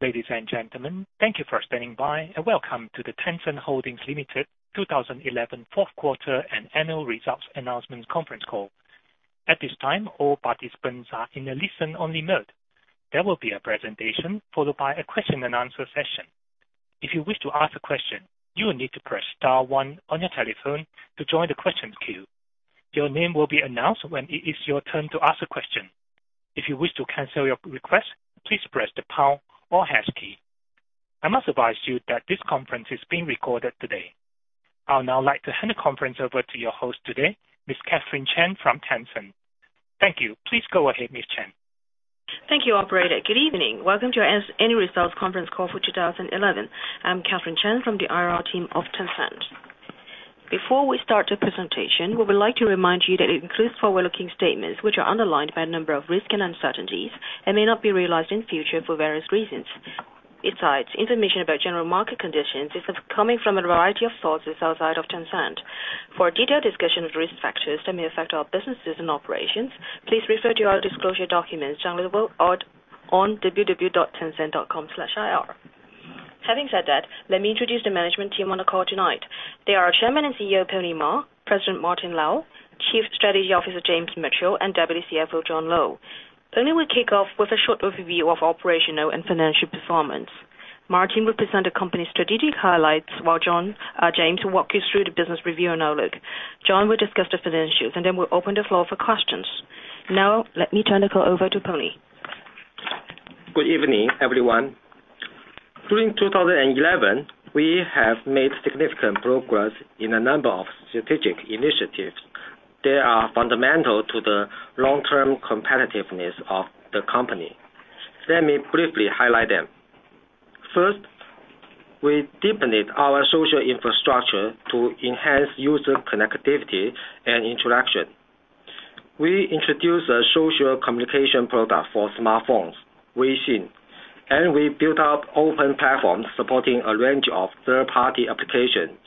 Ladies and gentlemen, thank you for standing by and welcome to the Tencent Holdings Limited 2011 Fourth Quarter and Annual Results Announcement Conference call. At this time, all participants are in a listen-only mode. There will be a presentation followed by a question-and-answer session. If you wish to ask a question, you will need to press star one on your telephone to join the questions queue. Your name will be announced when it is your turn to ask a question. If you wish to cancel your request, please press the pound or hash key. I must advise you that this conference is being recorded today. I would now like to hand the conference over to your host today, Ms. Catherine Chan from Tencent. Thank you. Please go ahead, Ms. Chan. Thank you, operator. Good evening. Welcome to our Annual Results Conference call for 2011. I'm Catherine Chan from the IR team of Tencent. Before we start the presentation, we would like to remind you that it includes forward-looking statements, which are underlined by a number of risks and uncertainties and may not be realized in the future for various reasons. Besides, information about general market conditions is coming from a variety of sources outside of Tencent. For a detailed discussion of risk factors that may affect our businesses and operations, please refer to our disclosure documents downloadable on www.tencent.com/ir. Having said that, let me introduce the management team on the call tonight. They are Chairman and CEO Pony Ma, President Martin Lau, Chief Strategy Officer James Mitchell, and WCFO John Lo. Pony will kick off with a short overview of operational and financial performance. Martin will present the company's strategic highlights, while James will walk you through the business review and overview. John will discuss the financials and then will open the floor for questions. Now, let me turn the call over to Pony. Good evening, everyone. During 2011, we have made significant progress in a number of strategic initiatives that are fundamental to the long-term competitiveness of the company. Let me briefly highlight them. First, we deepened our social infrastructure to enhance user connectivity and interaction. We introduced a social communication program for smartphones, Weixin, and we built up an open platform supporting a range of third-party applications,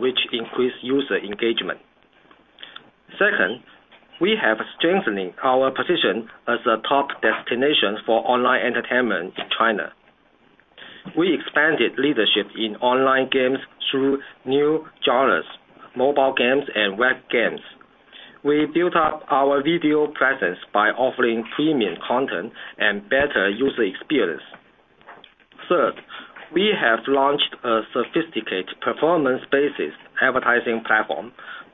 which increased user engagement. Second, we have strengthened our position as a top destination for online entertainment in China. We expanded leadership in online games through new genres: mobile games and web games. We built up our video presence by offering premium content and better user experience. Third, we have launched a sophisticated performance-based advertising platform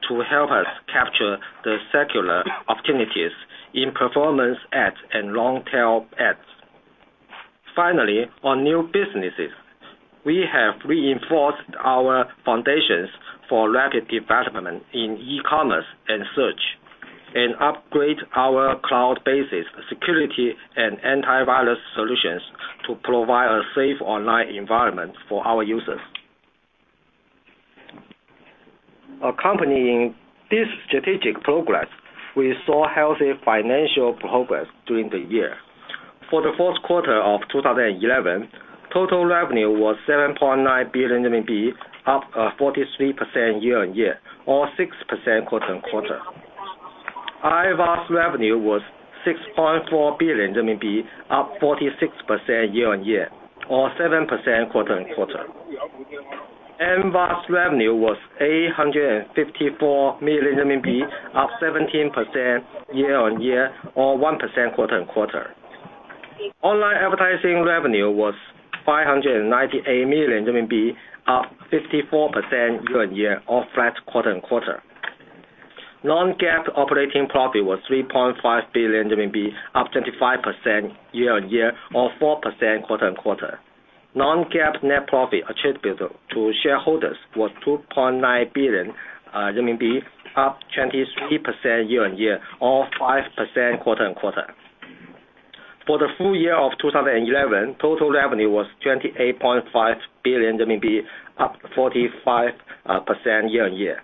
to help us capture the secular opportunities in performance ads and long-tail ads. Finally, on new businesses, we have reinforced our foundations for rapid development in e-commerce and search, and upgraded our cloud-based security and antivirus solutions to provide a safe online environment for our users. Accompanying this strategic progress, we saw healthy financial progress during the year. For the fourth quarter of 2011, total revenue was 7.9 billion RMB, up 43% year-on-year, or 6% quarter-on-quarter. IVAS revenue was 6.4 billion RMB, up 46% year-on-year, or 7% quarter-on-quarter. MVAS revenue was 854 million RMB, up 17% year-on-year, or 1% quarter-on-quarter. Online advertising revenue was 598 million RMB, up 54% year-on-year, or flat quarter-on-quarter. Non-GAAP operating profit was 3.5 billion RMB, up 25% year-on-year, or 4% quarter-on-quarter. Non-GAAP net profit attributable to shareholders was 2.9 billion RMB, up 23% year-on-year, or 5% quarter-on-quarter. For the full year of 2011, total revenue was 28.5 billion RMB, up 45% year-on-year.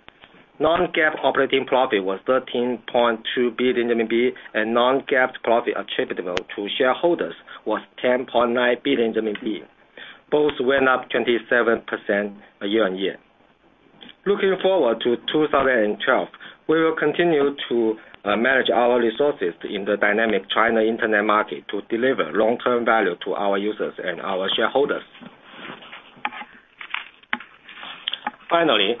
Non-GAAP operating profit was 13.2 billion RMB, and non-GAAP profit attributable to shareholders was 10.9 billion RMB. Both went up 27% year-on-year. Looking forward to 2012, we will continue to manage our resources in the dynamic China Internet market to deliver long-term value to our users and our shareholders. Finally,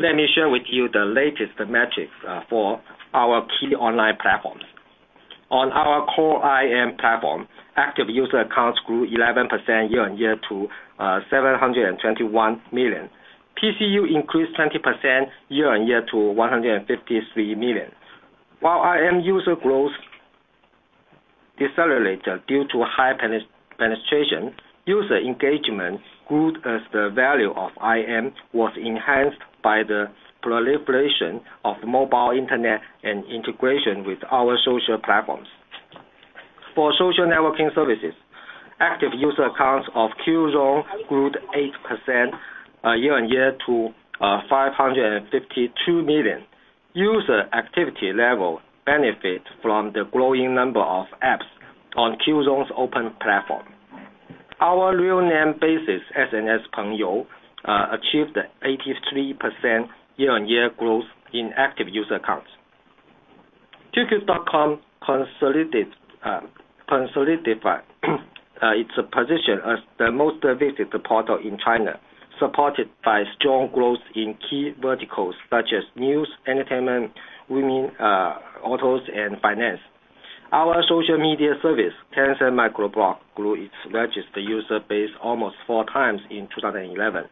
let me share with you the latest metrics for our key online platforms. On our core IM platform, active user counts grew 11% year-on-year to 721 million. PCU increased 20% year-on-year to 153 million. While IM user growth decelerated due to high penetration, user engagement grew as the value of IM was enhanced by the proliferation of mobile internet and integration with our social platforms. For Social Networking Services, active user counts of QZone grew 8% year-on-year to 552 million. User activity levels benefit from the growing number of apps on QZone's open platform. Our real-time-based SNS, PengYou, achieved 83% year-on-year growth in active user counts. qq.com consolidated its position as the most visited portal in China, supported by strong growth in key verticals such as news, entertainment, women, autos, and finance. Our social media service, Tencent Microblog, grew its registered user base almost four times in 2011,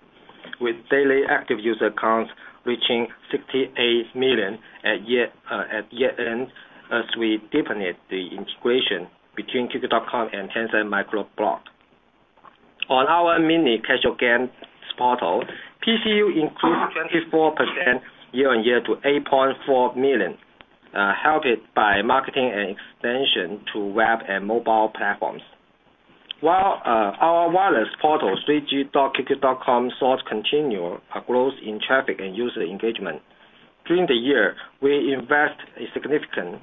with daily active user counts reaching 68 million at year-end as we deepened the integration between qq.com and Tencent Microblog. On our mini-casual games portal, PCU increased 24% year-on-year to 8.4 million, helped by marketing and extensions to web and mobile platforms. While our wireless portal, 3g.qq.com, saw continued growth in traffic and user engagement, during the year, we invested significant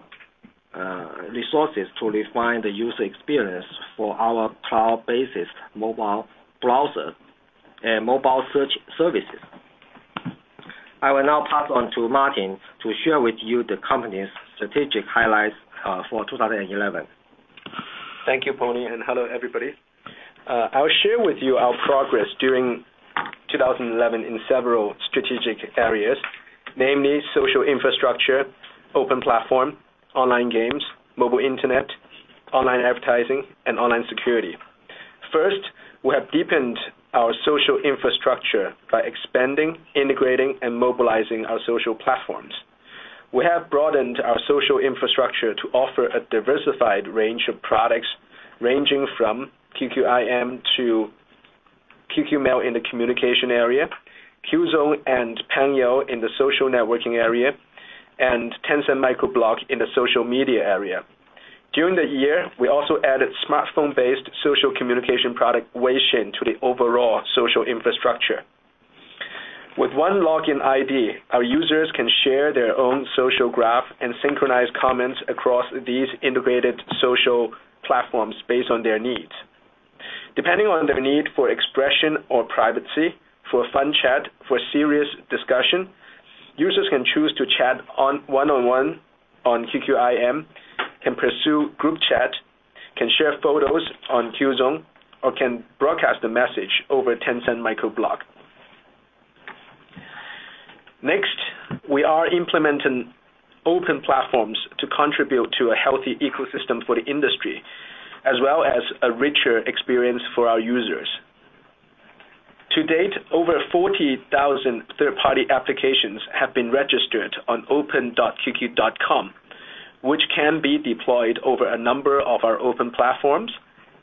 resources to refine the user experience for our cloud-based mobile browser and mobile search services. I will now pass on to Martin to share with you the company's strategic highlights for 2011. Thank you, Pony, and hello, everybody. I'll share with you our progress during 2011 in several strategic areas, namely social infrastructure, open platform, online games, mobile internet, online advertising, and online security. First, we have deepened our social infrastructure by expanding, integrating, and mobilizing our social platforms. We have broadened our social infrastructure to offer a diversified range of products, ranging from QQ IM to QQ Mail in the communication area, QZone and PengYou in the social networking area, and Tencent Microblog in the social media area. During the year, we also added smartphone-based social communication product, Weixin, to the overall social infrastructure. With one login ID, our users can share their own social graph and synchronize comments across these integrated social platforms based on their needs. Depending on their need for expression or privacy, for a fun chat, for serious discussion, users can choose to chat one-on-one on QQ IM, can pursue group chat, can share photos on QZone, or can broadcast a message over Tencent Microblog. Next, we are implementing open platforms to contribute to a healthy ecosystem for the industry, as well as a richer experience for our users. To date, over 40,000 third-party applications have been registered on open.qq.com, which can be deployed over a number of our open platforms,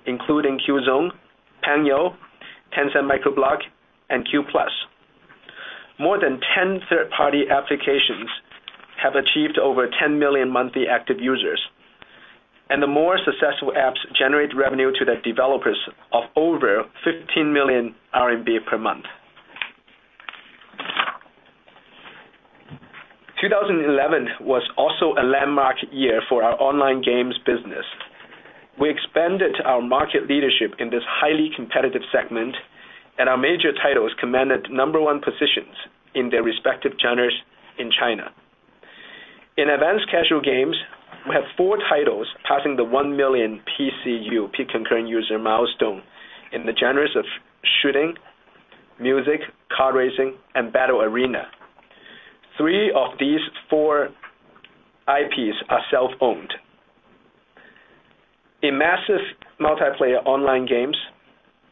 including QZone, PengYou, Tencent Microblog, and Q+. More than 10 third-party applications have achieved over 10 million monthly active users, and the more successful apps generate revenue to the developers of over 15 million RMB per month. 2011 was also a landmark year for our online games business. We expanded our market leadership in this highly competitive segment, and our major titles commanded number-one positions in their respective genres in China. In advanced casual games, we have four titles passing the 1 million PCU, peak concurrent user milestone, in the genres of shooting, music, car racing, and battle arena. Three of these four IPs are self-owned. In massive multiplayer online games,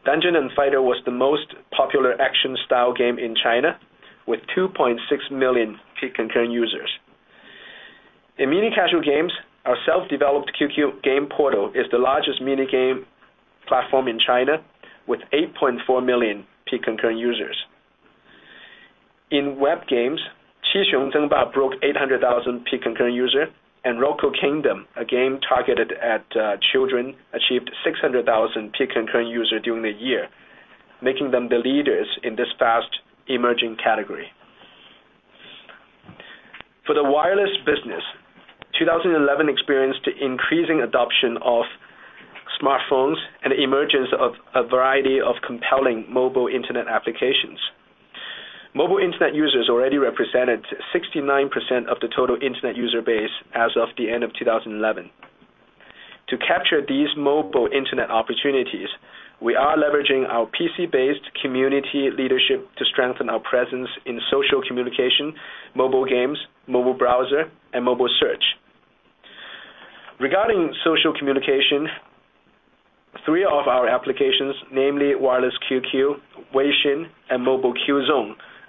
Dungeon & Fighter was the most popular action-style game in China, with 2.6 million peak concurrent users. In mini-casual games, our self-developed QQ Games portal is the largest mini-game platform in China, with 8.4 million peak concurrent users. In web games, Qu Xiong Zeng Ba broke 800,000 peak concurrent users, and Roco Kingdom, a game targeted at children, achieved 600,000 peak concurrent users during the year, making them the leaders in this fast-emerging category. For the wireless business, 2011 experienced increasing adoption of smartphones and the emergence of a variety of compelling mobile internet applications. Mobile internet users already represented 69% of the total internet user base as of the end of 2011. To capture these mobile internet opportunities, we are leveraging our PC-based community leadership to strengthen our presence in social communication, mobile games, mobile browser, and mobile search. Regarding social communication, three of our applications, namely Wireless QQ, Weixin, and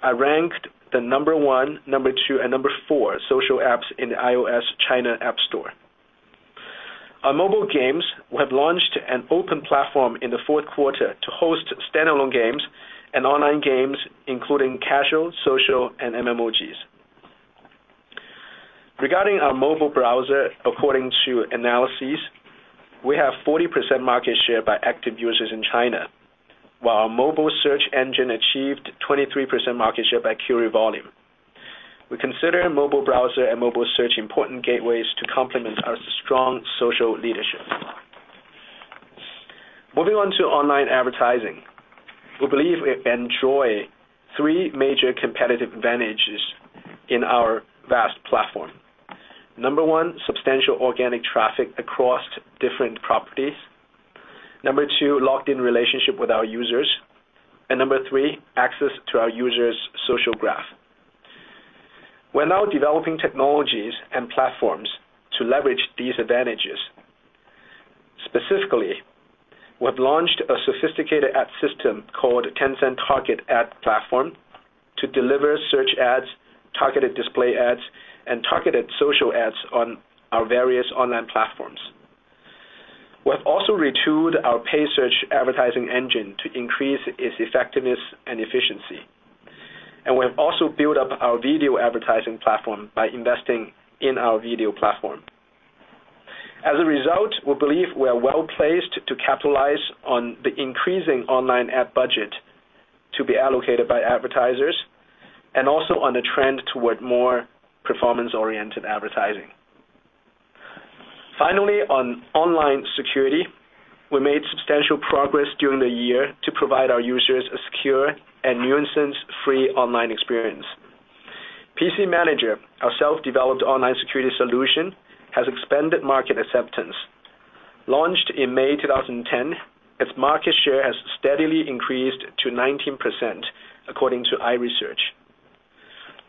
Mobile QZone, are ranked the number one, number two, and number four social apps in the iOS China App Store. On mobile games, we have launched an open platform in the fourth quarter to host standalone games and online games, including casual, social, and MMOGs. Regarding our mobile browser, according to analyses, we have 40% market share by active users in China, while our mobile search engine achieved 23% market share by query volume. We consider mobile browser and mobile search important gateways to complement our strong social leadership. Moving on to online advertising, we believe we enjoy three major competitive advantages in our vast platform. Number one, substantial organic traffic across different properties. Number two, locked-in relationship with our users. Number three, access to our users' social graph. We are now developing technologies and platforms to leverage these advantages. Specifically, we have launched a sophisticated ad system called Tencent Target Ad Platform to deliver search ads, targeted display ads, and targeted social ads on our various online platforms. We have also retooled our pay search advertising engine to increase its effectiveness and efficiency. We have also built up our video advertising platform by investing in our video platform. As a result, we believe we are well placed to capitalize on the increasing online ad budget to be allocated by advertisers and also on the trend toward more performance-oriented advertising. Finally, on online security, we made substantial progress during the year to provide our users a secure and nuisance-free online experience. PC Manager, our self-developed online security solution, has expanded market acceptance. Launched in May 2010, its market share has steadily increased to 19%, according to iResearch.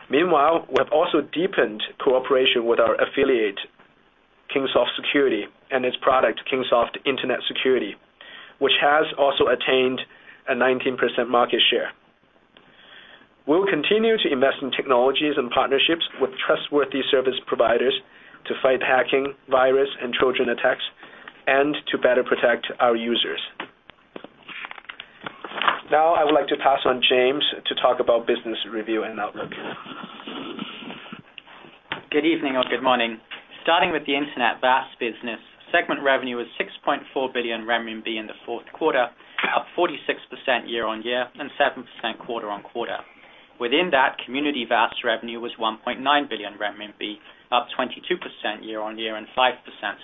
Meanwhile, we have also deepened cooperation with our affiliate, Kingsoft Security, and its product, Kingsoft Internet Security, which has also attained a 19% market share. We will continue to invest in technologies and partnerships with trustworthy service providers to fight hacking, virus, and children attacks, and to better protect our users. Now, I would like to pass on James to talk about business review and outlook. Good evening or good morning. Starting with the internet VAS business, segment revenue was 6.4 billion renminbi in the fourth quarter, up 46% year-on-year and 7% quarter-on-quarter. Within that, community VAS revenue was 1.9 billion renminbi, up 22% year-on-year and 5%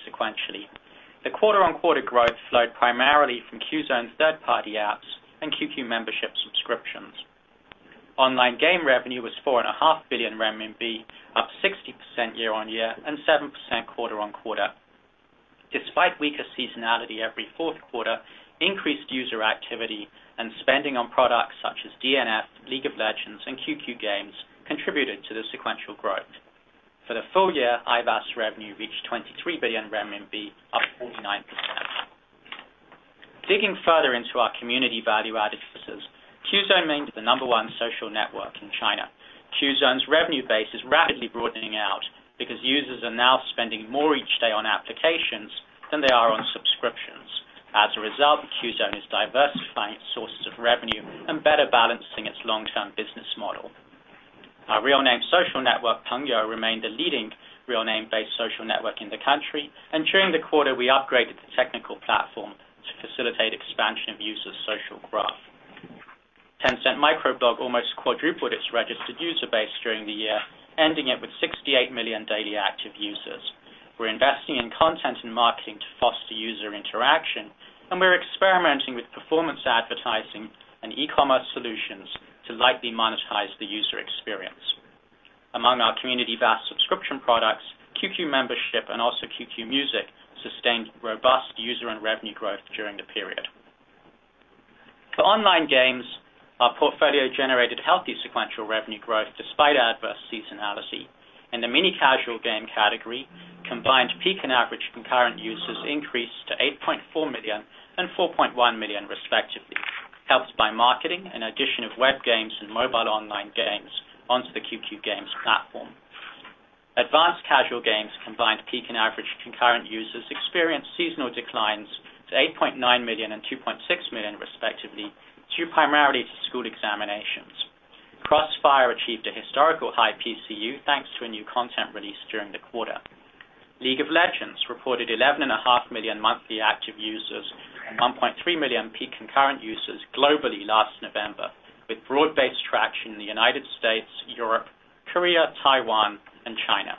sequentially. The quarter-on-quarter growth flowed primarily from QZone's third-party apps and QQ membership subscriptions. Online game revenue was 4.5 billion renminbi, up 60% year-on-year and 7% quarter-on-quarter. Despite weaker seasonality every fourth quarter, increased user activity and spending on products such as D&F, League of Legends, and QQ Games contributed to the sequential growth. For the full year, IVAS revenue reached 23 billion RMB, up 49%. Digging further into our community value-added services, QZone remained the number one social network in China. QZone's revenue base is rapidly broadening out because users are now spending more each day on applications than they are on subscriptions. As a result, QZone is diversifying its sources of revenue and better balancing its long-term business model. Our real-name social network, PengYou, remained the leading real-name-based social network in the country, and during the quarter, we upgraded the technical platform to facilitate expansion of users' social graph. Tencent Microblog almost quadrupled its registered user base during the year, ending it with 68 million daily active users. We're investing in content and marketing to foster user interaction, and we're experimenting with performance-based advertising and e-commerce solutions to likely monetize the user experience. Among our community VAS subscription products, QQ membership and also QQ Music sustained robust user and revenue growth during the period. For online games, our portfolio generated healthy sequential revenue growth despite adverse seasonality, and the mini-casual game category combined peak and average concurrent users increased to 8.4 million and 4.1 million, respectively, helped by marketing and addition of web games and mobile online games onto the QQ Games platform. Advanced casual games combined peak and average concurrent users experienced seasonal declines to 8.9 million and 2.6 million, respectively, due primarily to school examinations. Crossfire achieved a historical high PCU thanks to a new content release during the quarter. League of Legends reported 11.5 million monthly active users and 1.3 million peak concurrent users globally last November, with broad-based traction in the United States, Europe, Korea, Taiwan, and China.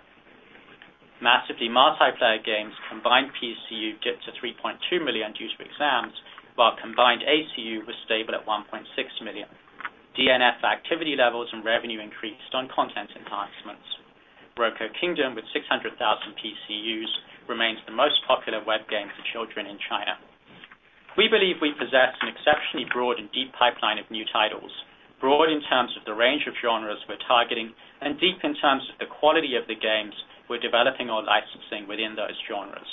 Massively multiplayer games combined PCU dipped to 3.2 million due to exams, while combined ACU was stable at 1.6 million. Dungeon & Fighter activity levels and revenue increased on content enhancements. Roco Kingdom, with 600,000 PCUs, remains the most popular web game for children in China. We believe we possess an exceptionally broad and deep pipeline of new titles, broad in terms of the range of genres we're targeting and deep in terms of the quality of the games we're developing or licensing within those genres.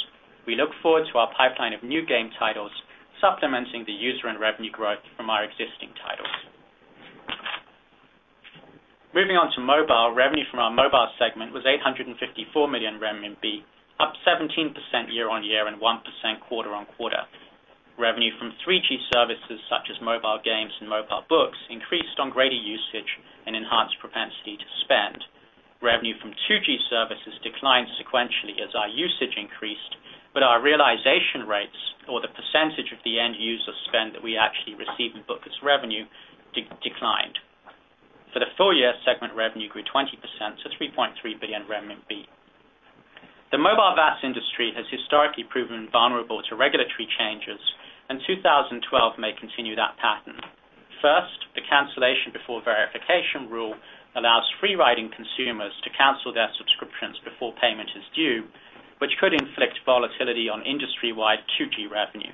We look forward to our pipeline of new game titles supplementing the user and revenue growth from our existing titles. Moving on to mobile, revenue from our mobile segment was 854 million renminbi, up 17% year-on-year and 1% quarter-on-quarter. Revenue from 3G services such as mobile games and mobile books increased on-greedy usage and enhanced propensity to spend. Revenue from 2G services declined sequentially as our usage increased, but our realization rates, or the percentage of the end user spend that we actually receive and book as revenue, declined. For the full year, segment revenue grew 20% to 3.3 billion renminbi. The mobile VAS industry has historically proven vulnerable to regulatory changes, and 2012 may continue that pattern. First, the cancellation before verification rule allows free riding consumers to cancel their subscriptions before payment is due, which could inflict volatility on industry-wide 2G revenue.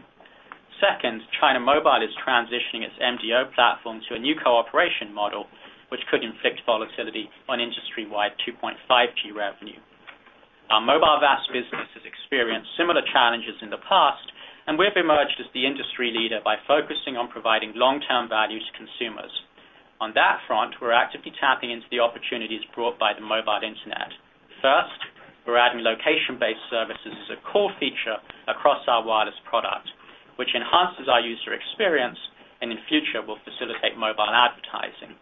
Second, China Mobile is transitioning its MDO platform to a new cooperation model, which could inflict volatility on industry-wide 2.5G revenue. Our mobile VAS business has experienced similar challenges in the past, and we've emerged as the industry leader by focusing on providing long-term value to consumers. On that front, we're actively tapping into the opportunities brought by the mobile internet. First, we're adding location-based services as a core feature across our wireless product, which enhances our user experience and in the future will facilitate mobile advertising.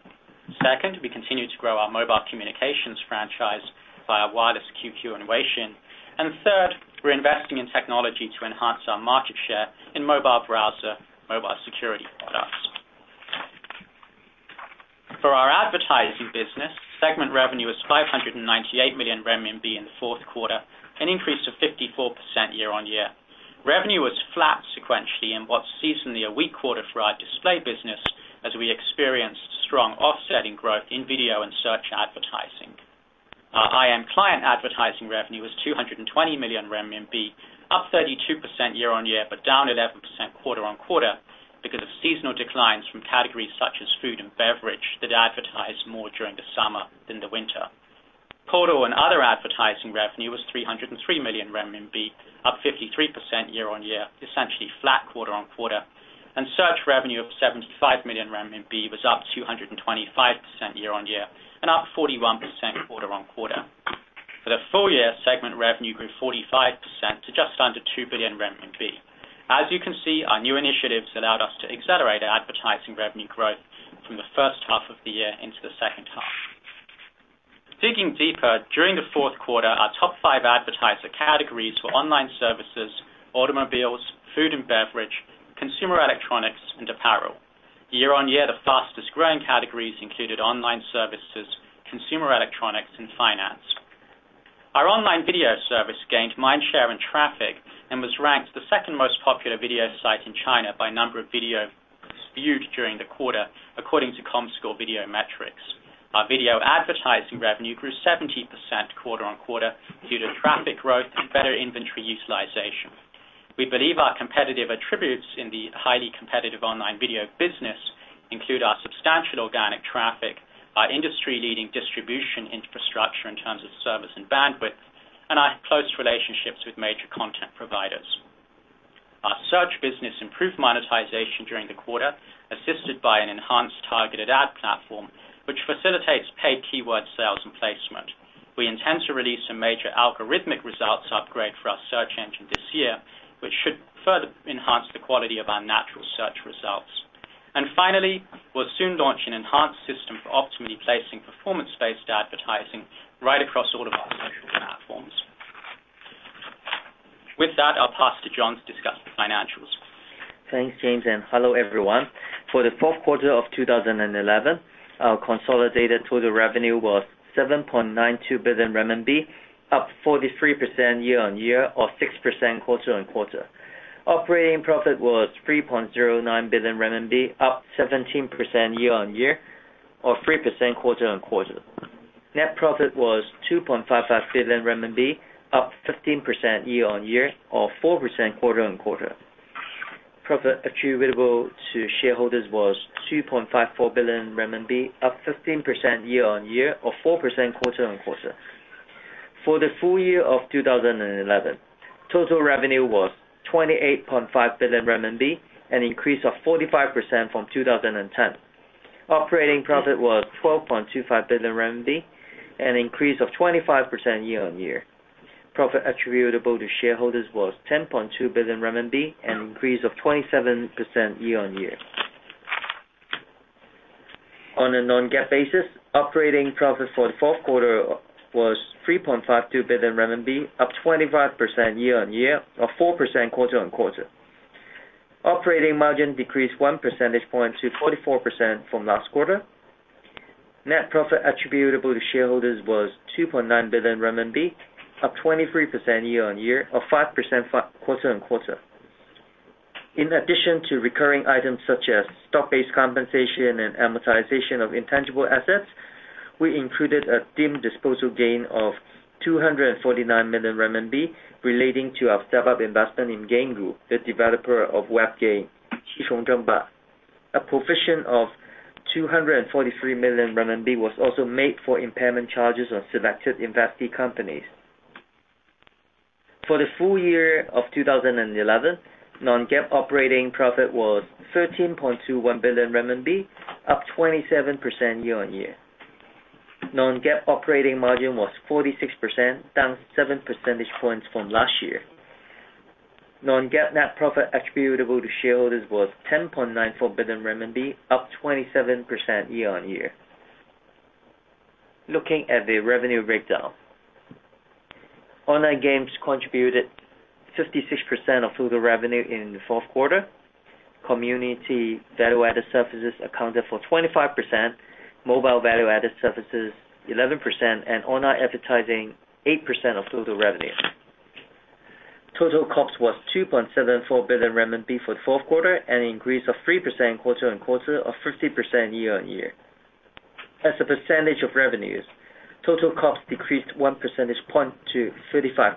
Second, we continue to grow our mobile communications franchise via wireless QQ and Weixin. Third, we're investing in technology to enhance our market share in mobile browser and mobile security products. For our advertising business, segment revenue was 598 million renminbi in the fourth quarter, an increase of 54% year-on-year. Revenue was flat sequentially in what's seasonally a weak quarter for our display business, as we experienced strong offsetting growth in video and search advertising. Our IM client advertising revenue was 220 million RMB, up 32% year-on-year but down 11% quarter-on-quarter because of seasonal declines from categories such as food and beverage that advertise more during the summer than the winter. Portal and other advertising revenue was 303 million renminbi, up 53% year-on-year, essentially flat quarter-on-quarter. Search revenue of 75 million renminbi was up 225% year-on-year and up 41% quarter-on-quarter. For the full year, segment revenue grew 45% to just under 2 billion RMB. As you can see, our new initiatives allowed us to accelerate advertising revenue growth from the first half of the year into the second half. Digging deeper, during the fourth quarter, our top five advertiser categories were online services, automobiles, food and beverage, consumer electronics, and apparel. Year-on-year, the fastest growing categories included online services, consumer electronics, and finance. Our online video service gained mind-sharing traffic and was ranked the second most popular video site in China by number of videos viewed during the quarter, according to Comscore Video Metrics. Our video advertising revenue grew 70% quarter-on-quarter due to traffic growth and better inventory utilization. We believe our competitive attributes in the highly competitive online video business include our substantial organic traffic, our industry-leading distribution infrastructure in terms of service and bandwidth, and our close relationships with major content providers. Our search business improved monetization during the quarter, assisted by an enhanced targeted ad platform, which facilitates paid keyword sales and placement. We intend to release a major algorithmic results upgrade for our search engine this year, which should further enhance the quality of our natural search results. Finally, we'll soon launch an enhanced system for optimally placing performance-based advertising right across all of our social platforms. With that, I'll pass to John to discuss the financials. Thanks, James, and hello, everyone. For the fourth quarter of 2011, our consolidated total revenue was 7.92 billion renminbi, up 43% year-on-year or 6% quarter-on-quarter. Operating profit was 3.09 billion RMB, up 17% year-on-year or 3% quarter-on-quarter. Net profit was 2.55 billion RMB, up 15% year-on-year or 4% quarter-on-quarter. Profit attributable to shareholders was 2.54 billion renminbi, up 15% year-on-year or 4% quarter-on-quarter. For the full year of 2011, total revenue was 28.5 billion RMB, an increase of 45% from 2010. Operating profit was 12.25 billion RMB, an increase of 25% year-on-year. Profit attributable to shareholders was 10.2 billion RMB, an increase of 27% year-on-year. On a non-GAAP basis, operating profit for the fourth quarter was 3.52 billion RMB, up 25% year-on-year or 4% quarter-on-quarter. Operating margin decreased one percentage point to 44% from last quarter. Net profit attributable to shareholders was 2.9 billion RMB, up 23% year-on-year or 5% quarter-on-quarter. In addition to recurring items such as stock-based compensation and amortization of intangible assets, we included a disposal gain of 249 million RMB relating to our step-up investment in GameGuru, the developer of web game Qu Xiong Zeng Ba. A provision of 243 million RMB was also made for impairment charges on selected investee companies. For the full year of 2011, non-GAAP operating profit was 13.21 billion renminbi, up 27% year-on-year. Non-GAAP operating margin was 46%, down seven percentage points from last year. Non-GAAP net profit attributable to shareholders was 10.94 billion RMB, up 27% year-on-year. Looking at the revenue breakdown, online games contributed 56% of total revenue in the fourth quarter. Community value-added services accounted for 25%, mobile value-added services 11%, and online advertising 8% of total revenue. Total cost was 2.74 billion renminbi for the fourth quarter, an increase of 3% quarter-on-quarter or 50% year-on-year. As a percentage of revenues, total cost decreased one percentage point to 35%.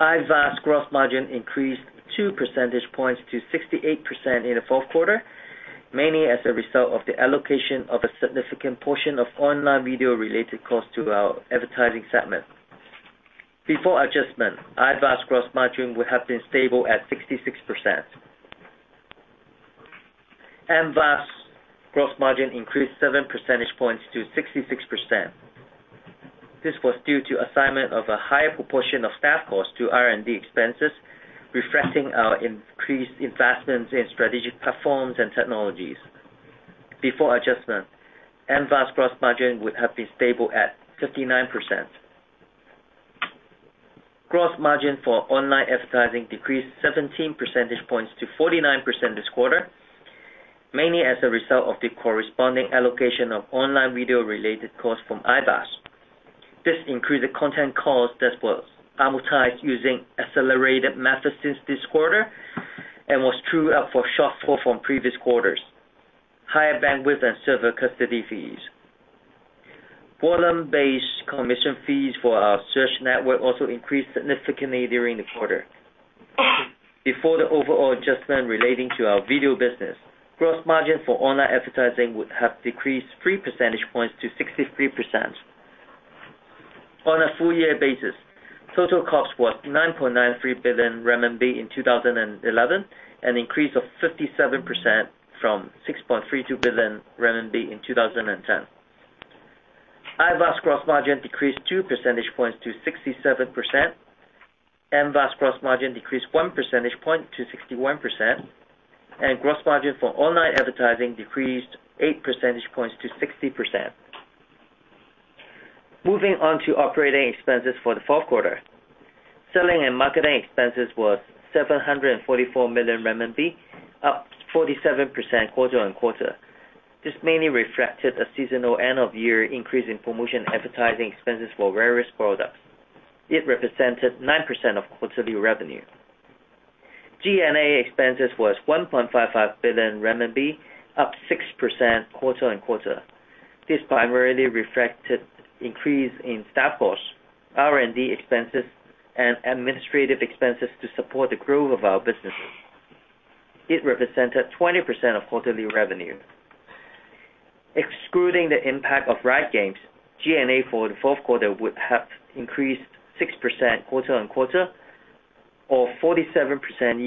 IVAS gross margin increased two percentage points to 68% in the fourth quarter, mainly as a result of the allocation of a significant portion of online video-related costs to our advertising segment. Before adjustment, IVAS gross margin would have been stable at 66%. MVAS gross margin increased seven percentage points to 66%. This was due to assignment of a higher proportion of staff costs to R&D expenses, reflecting our increased investments in strategic platforms and technologies. Before adjustment, MVAS gross margin would have been stable at 59%. Gross margin for online advertising decreased 17 percentage points to 49% this quarter, mainly as a result of the corresponding allocation of online video-related costs from IVAS. This increased the content costs that were amortized using accelerated methods since this quarter and was true for shortfalls from previous quarters, higher bandwidth and server custody fees. Bottom-based commission fees for our search network also increased significantly during the quarter. Before the overall adjustment relating to our video business, gross margin for online advertising would have decreased three percentage points to 63%. On a full-year basis, total cost was 9.93 billion RMB in 2011, an increase of 57% from 6.32 billion RMB in 2010. IVAS gross margin decreased two percentage points to 67%. MVAS gross margin decreased one percentage point to 61%. Gross margin for online advertising decreased eight percentage points to 60%. Moving on to operating expenses for the fourth quarter, selling and marketing expenses were 744 million RMB, up 47% quarter-on-quarter. This mainly reflected a seasonal end-of-year increase in promotion advertising expenses for various products. It represented 9% of quarterly revenue. G&A expenses were RMB 1.55 billion, up 6% quarter-on-quarter. This primarily reflected an increase in staff costs, R&D expenses, and administrative expenses to support the growth of our businesses. It represented 20% of quarterly revenue. Excluding the impact of Riot Games, G&A for the fourth quarter would have increased 6% quarter-on-quarter or 47%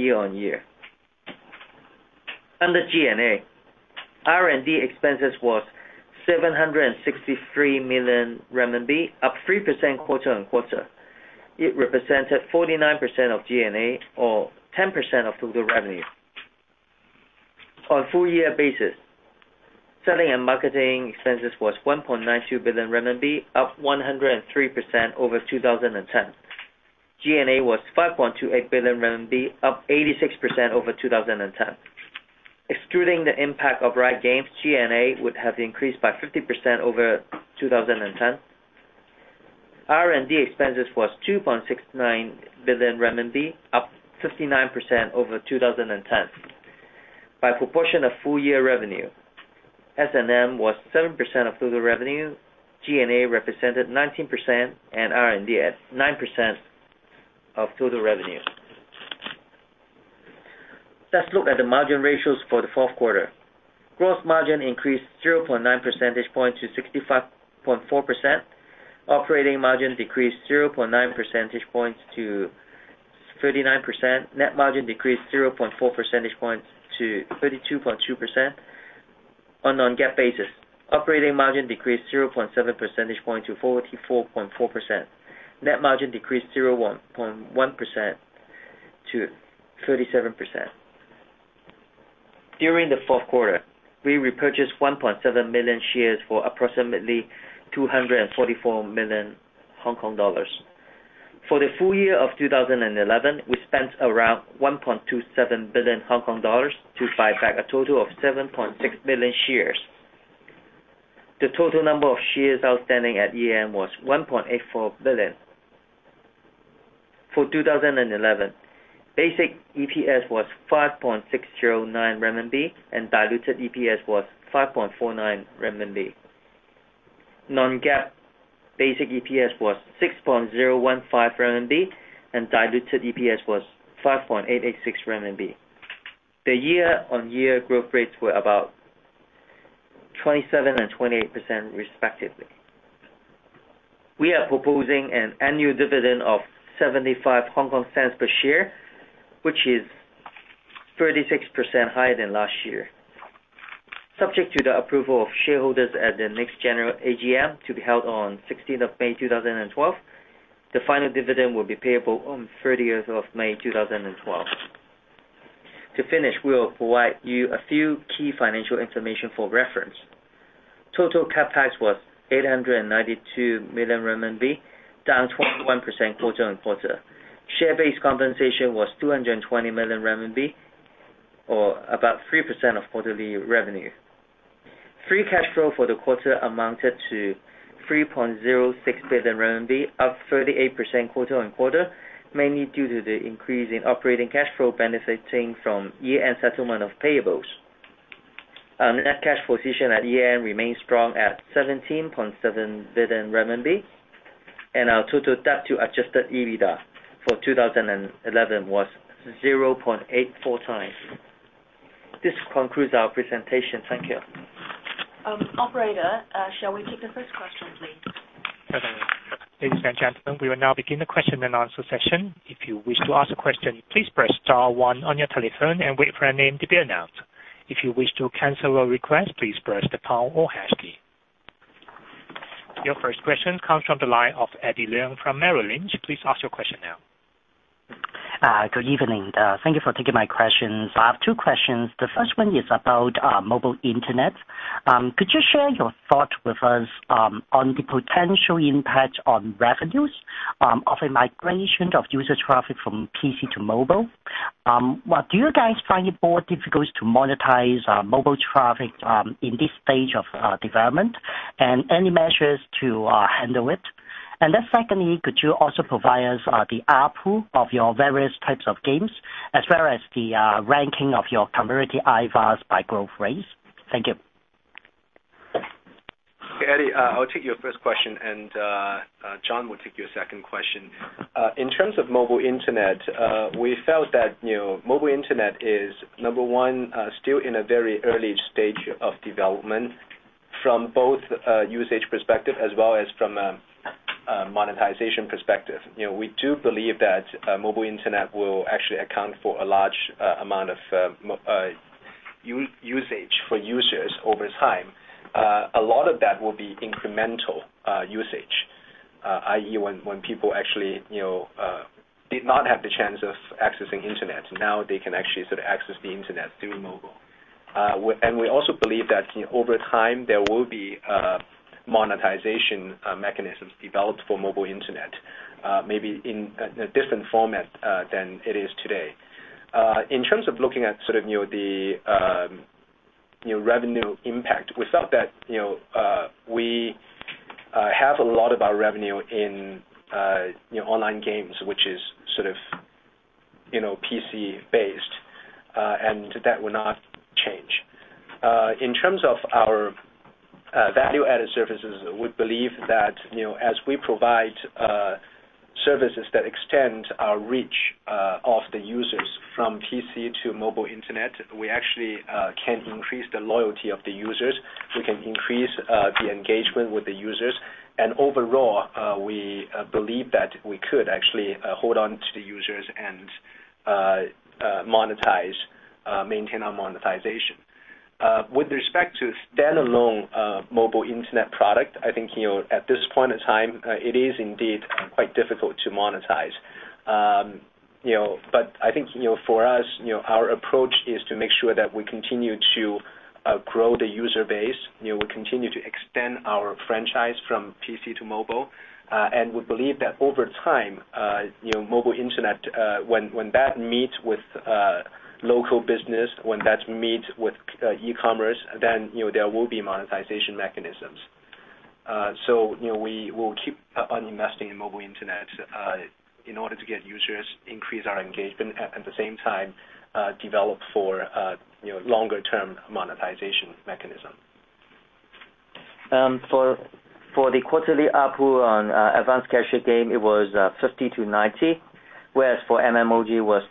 year-on-year. Under G&A, R&D expenses were RMB 763 million, up 3% quarter-on-quarter. It represented 49% of G&A or 10% of total revenue. On a full-year basis, selling and marketing expenses were 1.92 billion renminbi, up 103% over 2010. G&A was 5.28 billion renminbi, up 86% over 2010. Excluding the impact of Riot Games, G&A would have increased by 50% over 2010. R&D expenses were 2.69 billion RMB, up 59% over 2010. By proportion of full-year revenue, S&M was 7% of total revenue, G&A represented 19%, and R&D at 9% of total revenue. Let's look at the margin ratios for the fourth quarter. Gross margin increased 0.9 percentage points to 65.4%. Operating margin decreased 0.9 percentage points to 39%. Net margin decreased 0.4 percentage points to 32.2%. On a non-GAAP basis, operating margin decreased 0.7 percentage points to 44.4%. Net margin decreased 0.1% to 37%. During the fourth quarter, we repurchased 1.7 million shares for approximately 244 million Hong Kong dollars. For the full year of 2011, we spent around 1.27 billion Hong Kong dollars to buy back a total of 7.6 million shares. The total number of shares outstanding at year-end was 1.84 billion. For 2011, basic EPS was 5.609 RMB and diluted EPS was 5.49 RMB. Non-GAAP basic EPS was 6.015 RMB and diluted EPS was 5.886 RMB. The year-on-year growth rates were about 27% and 28% respectively. We are proposing an annual dividend of 0.75 per share, which is 36% higher than last year. Subject to the approval of shareholders at the next general AGM to be held on 16th of May, 2012, the final dividend will be payable on 30th of May, 2012. To finish, we'll provide you a few key financial information for reference. Total CapEx was 892 million RMB, down 21% quarter-on-quarter. Share-based compensation was 220 million RMB or about 3% of quarterly revenue. Free cash flow for the quarter amounted to 3.06 billion RMB, up 38% quarter-on-quarter, mainly due to the increase in operating cash flow benefiting from year-end settlement of payables. Our net cash position at year-end remains strong at 17.7 billion RMB, and our total debt to adjusted EBITDA for 2011 was 0.84x. This concludes our presentation. Thank you. Operator, shall we take the first question, please? Okay. Ladies and gentlemen, we will now begin the question-and-answer session. If you wish to ask a question, please press star one on your telephone and wait for your name to be announced. If you wish to cancel your request, please press the pound or hash key. Your first question comes from the line of Eddie Leung from Merrill Lynch. Please ask your question now. Good evening. Thank you for taking my questions. I have two questions. The first one is about mobile internet. Could you share your thoughts with us on the potential impact on revenues of a migration of user traffic from PC to mobile? What do you guys find it more difficult to monetize mobile traffic in this stage of development, and any measures to handle it? Secondly, could you also provide us the ARPU of your various types of games as well as the ranking of your converted IVAS by growth rates? Thank you. Hey, Eddie. I'll take your first question, and John will take your second question. In terms of mobile internet, we felt that mobile internet is, number one, still in a very early stage of development from both a usage perspective as well as from a monetization perspective. We do believe that mobile internet will actually account for a large amount of usage for users over time. A lot of that will be incremental usage, i.e., when people actually did not have the chance of accessing internet, now they can actually sort of access the internet through mobile. We also believe that over time there will be monetization mechanisms developed for mobile internet, maybe in a different format than it is today. In terms of looking at the revenue impact, we felt that we have a lot of our revenue in online games, which is PC-based, and that will not change. In terms of our value-added services, we believe that as we provide services that extend our reach of the users from PC to mobile internet, we actually can increase the loyalty of the users. We can increase the engagement with the users. Overall, we believe that we could actually hold on to the users and monetize, maintain our monetization. With respect to a standalone mobile internet product, I think at this point in time, it is indeed quite difficult to monetize. I think for us, our approach is to make sure that we continue to grow the user base. We continue to extend our franchise from PC to mobile. We believe that over time, mobile internet, when that meets with local business, when that meets with e-commerce, then there will be monetization mechanisms. We will keep on investing in mobile internet in order to get users, increase our engagement, and at the same time develop for longer-term monetization mechanisms. For the quarterly ARPU on advanced casual game, it was ¥50-¥90, whereas for MMOG, it was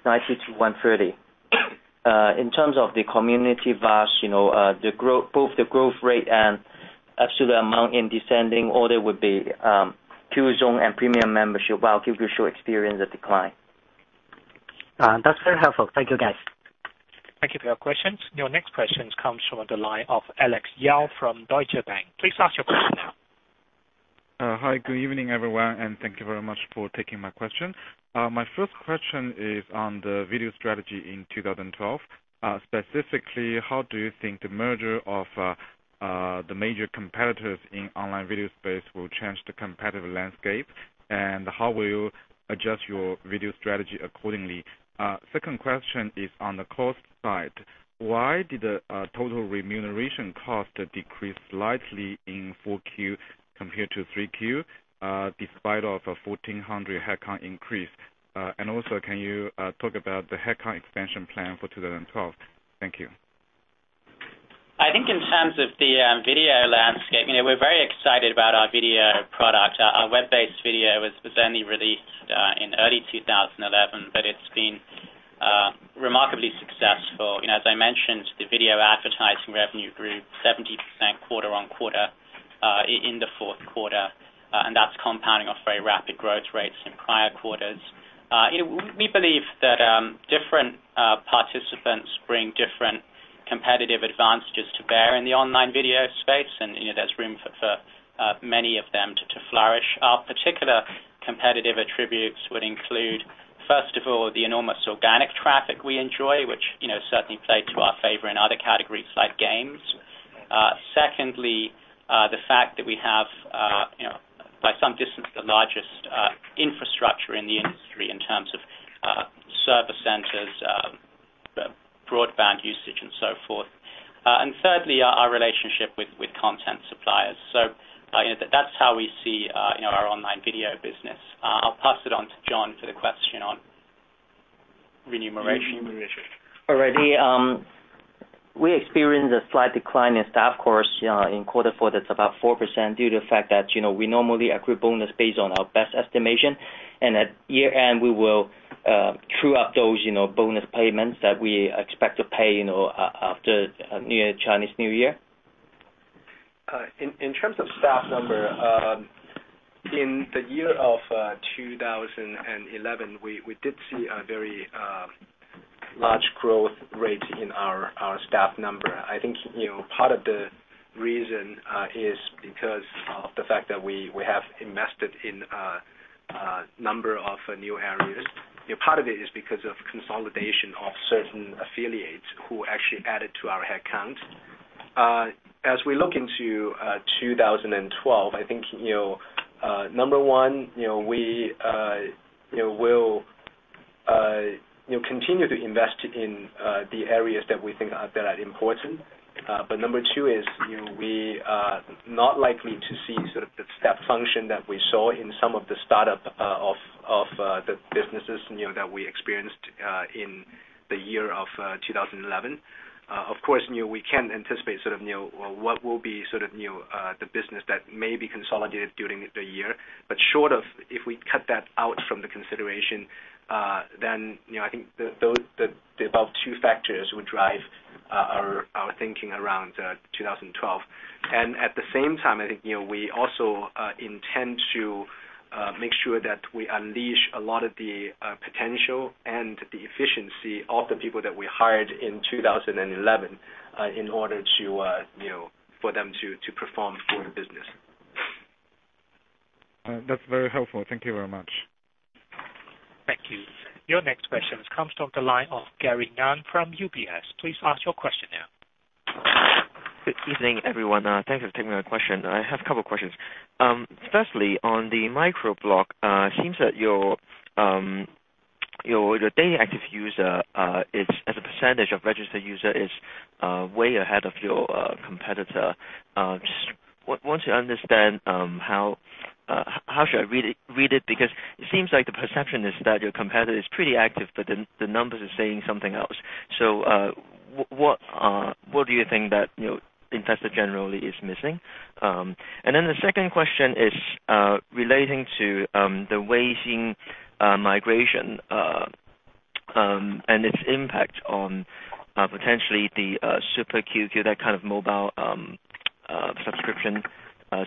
¥90-¥130. In terms of the community VAS, both the growth rate and absolute amount in descending order would be QZone and premium membership, while QQ Show experienced a decline. That's very helpful. Thank you, guys. Thank you for your questions. Your next question comes from the line of Alex Yao from Deutsche Bank. Please ask your question now. Hi. Good evening, everyone, and thank you very much for taking my question. My first question is on the video strategy in 2012. Specifically, how do you think the merger of the major competitors in the online video space will change the competitive landscape? How will you adjust your video strategy accordingly? The second question is on the cost side. Why did the total remuneration cost decrease slightly in 4Q compared to 3Q despite a 1,400 headcount increase? Also, can you talk about the headcount expansion plan for 2012? Thank you. I think in terms of the video landscape, we're very excited about our video product. Our web-based video was only released in early 2011, but it's been remarkably successful. As I mentioned, the video advertising revenue grew 70% quarter-on-quarter in the fourth quarter, and that's compounding off very rapid growth rates in prior quarters. We believe that different participants bring different competitive advantages to bear in the online video space, and there's room for many of them to flourish. Our particular competitive attributes would include, first of all, the enormous organic traffic we enjoy, which certainly plays to our favor in other categories like games. Secondly, the fact that we have, by some distance, the largest infrastructure in the industry in terms of service centers, broadband usage, and so forth. Thirdly, our relationship with content suppliers. That's how we see our online video business. I'll pass it on to John for the question on remuneration. Righty. We experienced a slight decline in staff costs in quarter four, about 4%, due to the fact that we normally accrue bonus based on our best estimation. At year-end, we will true up those bonus payments that we expect to pay after Chinese New Year. In terms of staff number, in the year of 2011, we did see a very large growth rate in our staff number. I think part of the reason is because of the fact that we have invested in a number of new areas. Part of it is because of consolidation of certain affiliates who actually added to our headcount. As we look into 2012, I think, number one, we will continue to invest in the areas that we think are very important. Number two is we are not likely to see sort of the step function that we saw in some of the startups of the businesses that we experienced in the year of 2011. Of course, we can't anticipate what will be the business that may be consolidated during the year. Short of if we cut that out from the consideration, then I think the above two factors would drive our thinking around 2012. At the same time, I think we also intend to make sure that we unleash a lot of the potential and the efficiency of the people that we hired in 2011 in order for them to perform for the business. That's very helpful. Thank you very much. Thank you. Your next question comes from the line of Gary Yang from UBS. Please ask your question now. Good evening, everyone. Thanks for taking my question. I have a couple of questions. Firstly, on the microblog, it seems that your daily active user, as a percentag of registered users, is way ahead of your competitor. I just want to understand how should I read it? It seems like the perception is that your competitor is pretty active, but the numbers are saying something else. What do you think that investors generally are missing? The second question is relating to the Weixin migration and its impact on potentially the Super QQ, that kind of mobile subscription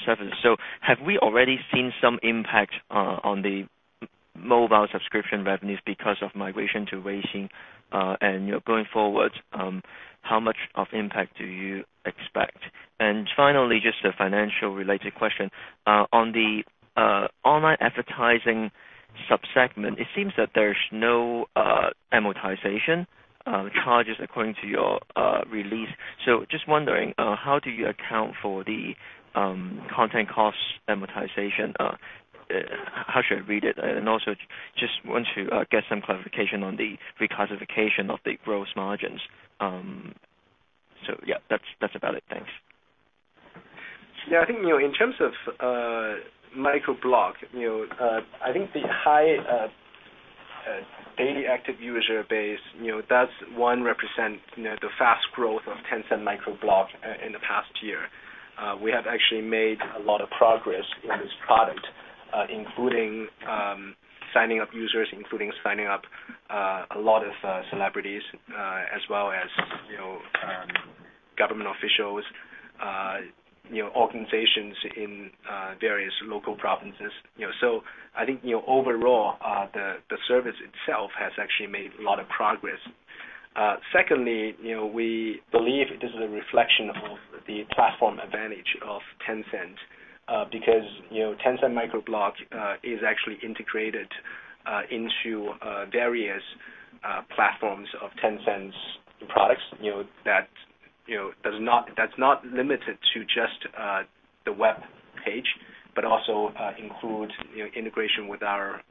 services. Have we already seen some impact on the mobile subscription revenues because of migration to Weixin? Going forward, how much of impact do you expect? Finally, just a financial-related question. On the online advertising subsegment, it seems that there's no amortization charges according to your release. Just wondering, how do you account for the content cost amortization? How should I read it? Also, just want to get some clarification on the reclassification of the gross margins. That's about it. Thanks. Yeah, I think in terms of microblog, I think the high daily active user base, that represents the fast growth of Tencent Microblog in the past year. We had actually made a lot of progress in this product, including signing up users, including signing up a lot of celebrities, as well as government officials, organizations in various local provinces. I think overall, the service itself has actually made a lot of progress. Secondly, we believe this is a reflection of the platform advantage of Tencent because Tencent Microblog is actually integrated into various platforms of Tencent's products. That's not limited to just the web page, but also includes integration with our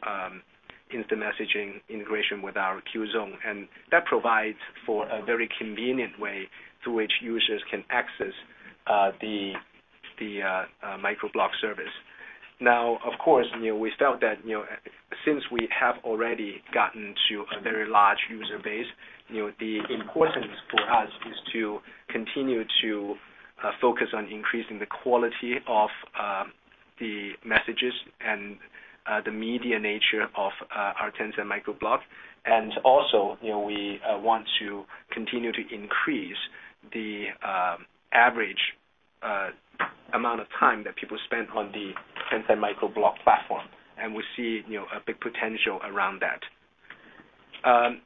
instant messaging, integration with our QZone. That provides for a very convenient way through which users can access the microblog service. Of course, we felt that since we have already gotten to a very large user base, the importance for us is to continue to focus on increasing the quality of the messages and the media nature of our Tencent Microblog. We want to continue to increase the average amount of time that people spend on the Tencent Microblog platform. We see a big potential around that.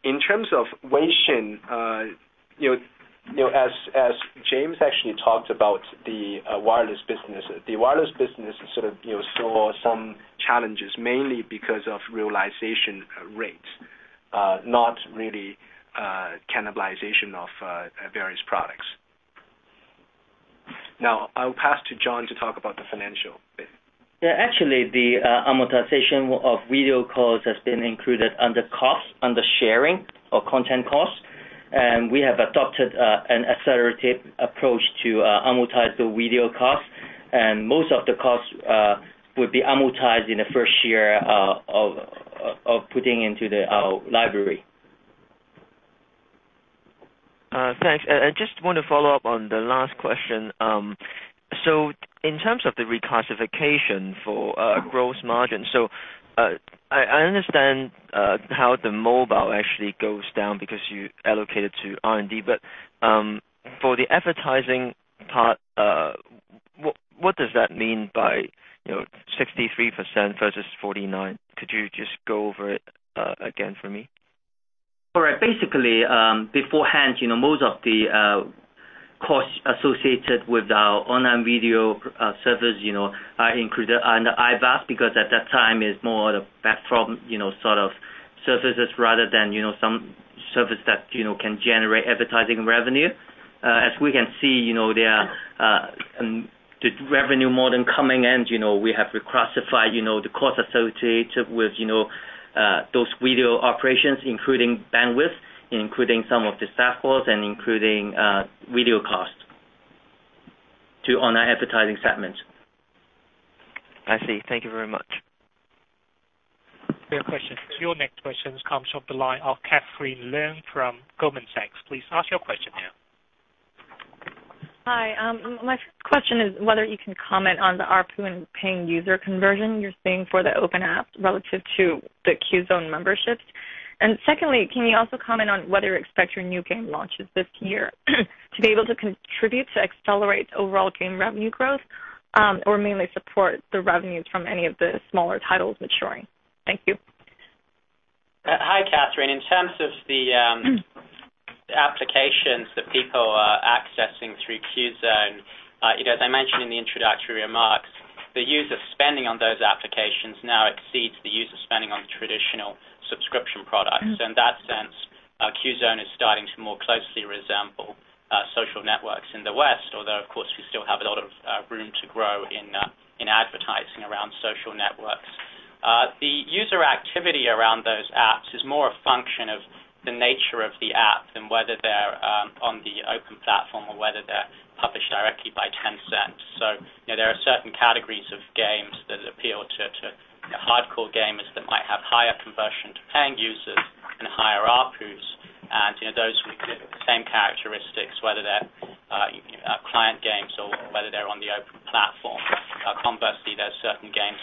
In terms of wireless, as James actually talked about the wireless business, the wireless business sort of saw some challenges, mainly because of realization rates, not really cannibalization of various products. I'll pass to John to talk about the financial. Yeah, actually, the amortization of video costs has been included under costs, under sharing or content costs. We have adopted an accelerated approach to amortize the video costs, and most of the costs will be amortized in the first year of putting into our library. Thanks. I just want to follow up on the last question. In terms of the reclassification for gross margins, I understand how the mobile actually goes down because you allocate it to R&D. For the advertising part, what does that mean by 63% versus 49%? Could you just go over it again for me? All right. Basically, beforehand, most of the costs associated with our online video service are included under IVAS because at that time, it's more of a platform sort of services rather than some service that can generate advertising revenue. As we can see, the revenue more than coming in, we have reclassified the costs associated with those video operations, including bandwidth, including some of the staff costs, and including video costs to online advertising segments. I see. Thank you very much. For your questions, your next question comes from the line of Catherine Leung from Goldman Sachs. Please ask your question now. Hi. My first question is whether you can comment on the ARPU and paying user conversion you're seeing for the open apps relative to the QZone memberships. Secondly, can you also comment on whether you expect your new game launches this year to be able to contribute to accelerate overall game revenue growth or mainly support the revenues from any of the smaller titles maturing? Thank you. Hi, Catherine. In terms of the applications that people are accessing through QZone, they mentioned in the introductory remarks the user spending on those applications now exceeds the user spending on the traditional subscription products. In that sense, QZone is starting to more closely resemble social networks in the West, although, of course, we still have a lot of room to grow in advertising around social networks. The user activity around those apps is more a function of the nature of the app and whether they're on the open platform or whether they're published directly by Tencent. There are certain categories of games that appeal to hardcore gamers that might have higher conversion to paying users and higher ARPUs. Those who exhibit the same characteristics, whether they're client games or whether they're on the open platform. Conversely, there are certain games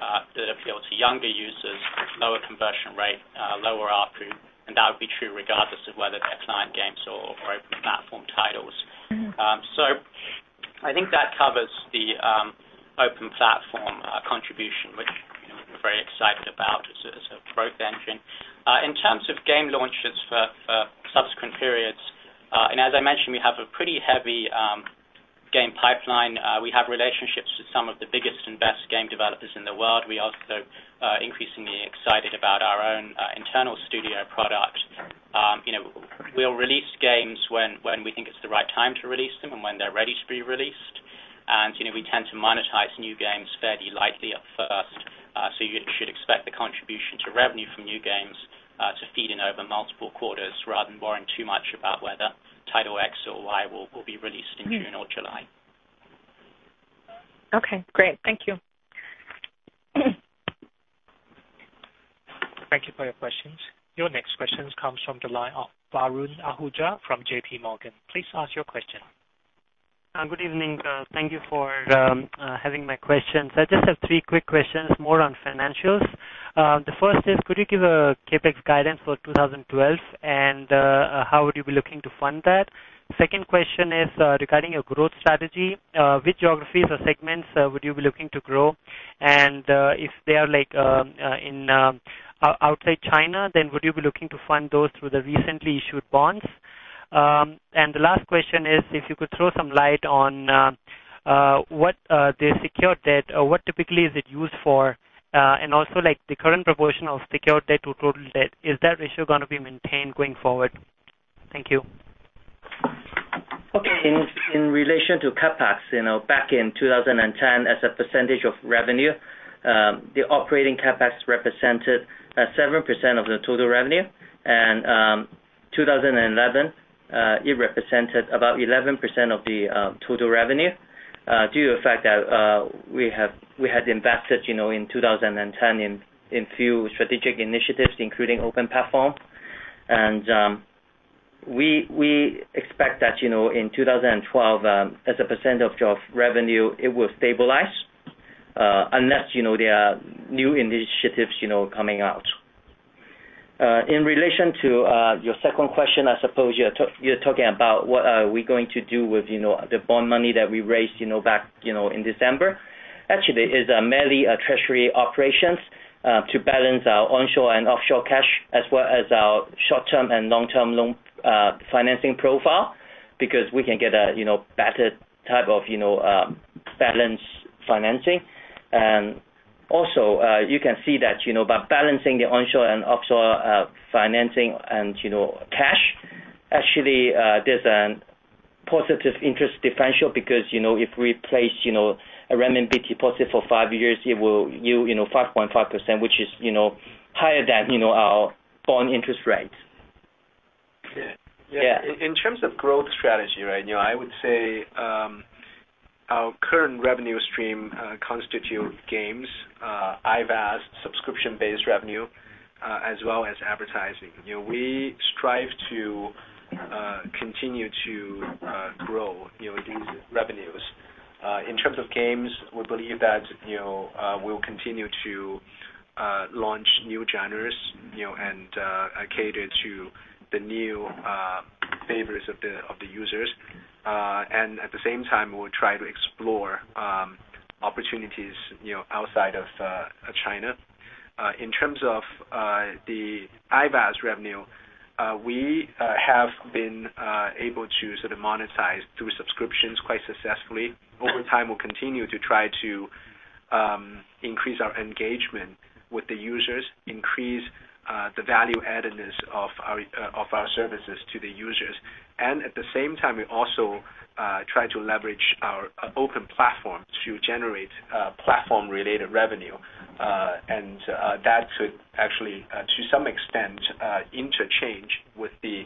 that appeal to younger users, lower conversion rate, lower ARPU. That would be true regardless of whether they're client games or open platform titles. I think that covers the open platform contribution, which we're very excited about as a growth engine. In terms of game launches for subsequent periods, as I mentioned, we have a pretty heavy game pipeline. We have relationships with some of the biggest and best game developers in the world. We are also increasingly excited about our own internal studio product. We'll release games when we think it's the right time to release them and when they're ready to be released. We tend to monetize new games fairly lightly at first. You should expect the contribution to revenue from new games to feed in over multiple quarters rather than worrying too much about whether title X or Y will be released in June or July. Okay, great. Thank you. Thank you for your questions. Your next question comes from the line of Varun Ahuja from JPMorgan. Please ask your question. Good evening. Thank you for having my questions. I just have three quick questions, more on financials. The first is, could you give a CapEx guidance for 2012 and how would you be looking to fund that? The second question is regarding your growth strategy. Which geographies or segments would you be looking to grow? If they are outside China, would you be looking to fund those through the recently issued bonds? The last question is, if you could throw some light on what the secured debt, what typically is it used for, and also, the current proportion of secured debt to total debt, is that ratio going to be maintained going forward? Thank you. In relation to CapEx, back in 2010, as a percentage of revenue, the operating CapEx represented 7% of the total revenue. In 2011, it represented about 11% of the total revenue due to the fact that we had invested in 2010 in a few strategic initiatives, including open platform. We expect that in 2012, as a percentage of revenue, it will stabilize unless there are new initiatives coming out. In relation to your second question, I suppose you're talking about what are we going to do with the bond money that we raised back in December? Actually, it's mainly treasury operations to balance our onshore and offshore cash, as well as our short-term and long-term loan financing profile because we can get a better type of balanced financing. You can see that by balancing the onshore and offshore financing and cash, actually, there's a positive interest differential because if we place a revenue BT positive for five years, it will yield 5.5%, which is higher than our bond interest rate. Yeah. In terms of growth strategy, I would say our current revenue stream constitutes games, IVAS, subscription-based revenue, as well as advertising. We strive to continue to grow these revenues. In terms of games, we believe that we'll continue to launch new genres and cater to the new flavors of the users. At the same time, we'll try to explore opportunities outside of China. In terms of the IVAS revenue, we have been able to sort of monetize through subscriptions quite successfully. Over time, we'll continue to try to increase our engagement with the users, increase the value-addedness of our services to the users. At the same time, we also try to leverage our open platform to generate platform-related revenue. That could actually, to some extent, interchange with the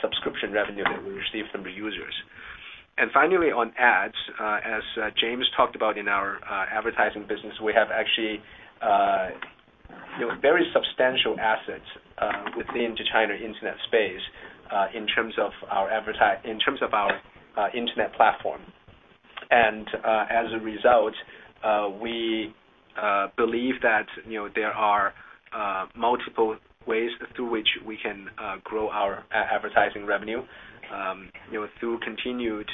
subscription revenue that we receive from the users. Finally, on ads, as James talked about in our advertising business, we have actually very substantial assets within the China internet space in terms of our internet platform. As a result, we believe that there are multiple ways through which we can grow our advertising revenue through continued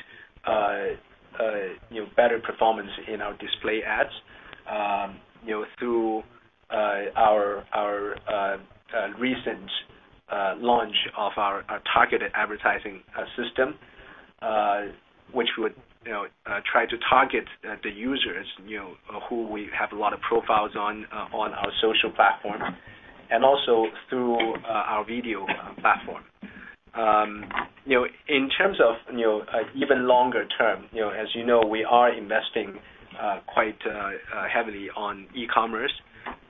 better performance in our display ads, through our recent launch of our targeted advertising system, which would try to target the users who we have a lot of profiles on our social platform and also through our video platform. In terms of even longer-term, as you know, we are investing quite heavily on e-commerce as well as search.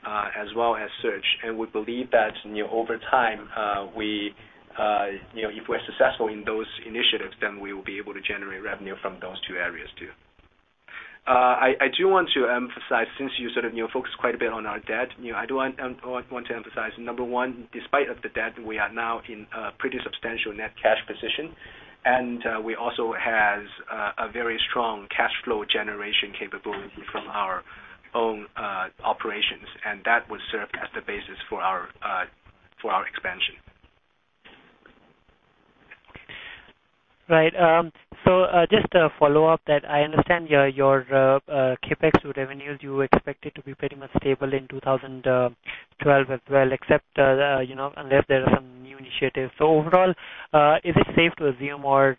We believe that over time, if we're successful in those initiatives, then we will be able to generate revenue from those two areas too. I do want to emphasize, since you sort of focus quite a bit on our debt, I do want to emphasize, number one, despite the debt, we are now in a pretty substantial net cash position. We also have a very strong cash flow generation capability from our own operations. That will serve as the basis for our expansion. Right. Just to follow up, I understand your CapEx revenues, you expect it to be pretty much stable in 2012 as well, except unless there are some new initiatives. Overall, is it safe to assume, or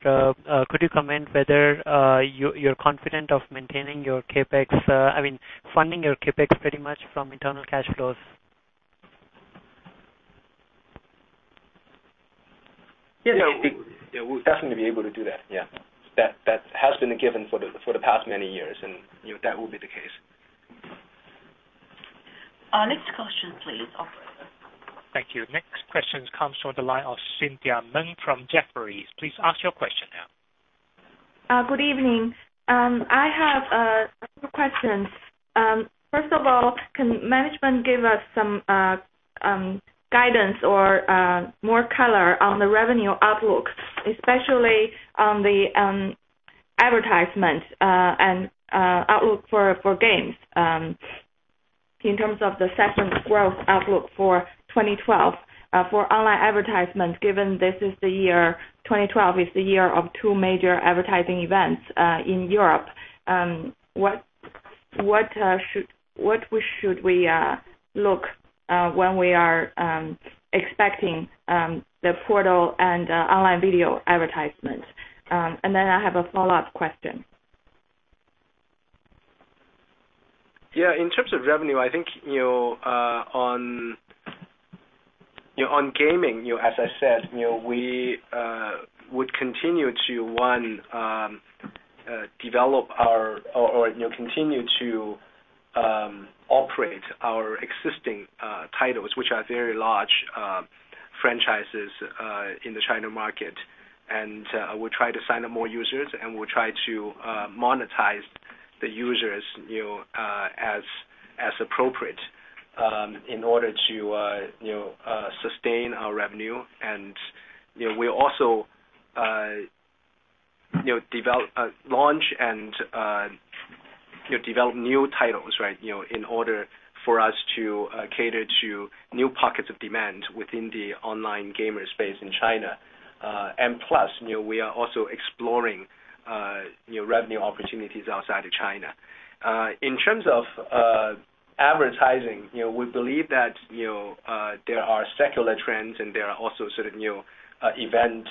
could you comment whether you're confident of maintaining your CapEx, I mean, funding your CapEx pretty much from internal cash flows? We'll definitely be able to do that. That has been a given for the past many years, and that will be the case. Next question, please. Thank you. Next question comes from the line of Cynthia Meng from Jefferies LLC. Please ask your question now. Good evening. I have two questions. First of all, can management give us some guidance or more color on the revenue outlook, especially on the advertisement and outlook for games in terms of the growth outlook for 2012 for online advertisement, given this is the year 2012, the year of two major advertising events in Europe? What should we look for when we are expecting the portal and online video advertisements? I have a follow-up question. Yeah. In terms of revenue, I think on gaming, as I said, we would continue to, one, develop or continue to operate our existing titles, which are very large franchises in the China market. We will try to sign up more users, and we'll try to monetize the users as appropriate in order to sustain our revenue. We will also launch and develop new titles in order for us to cater to new pockets of demand within the online gamer space in China. Plus, we are also exploring revenue opportunities outside of China. In terms of advertising, we believe that there are secular trends, and there are also sort of new events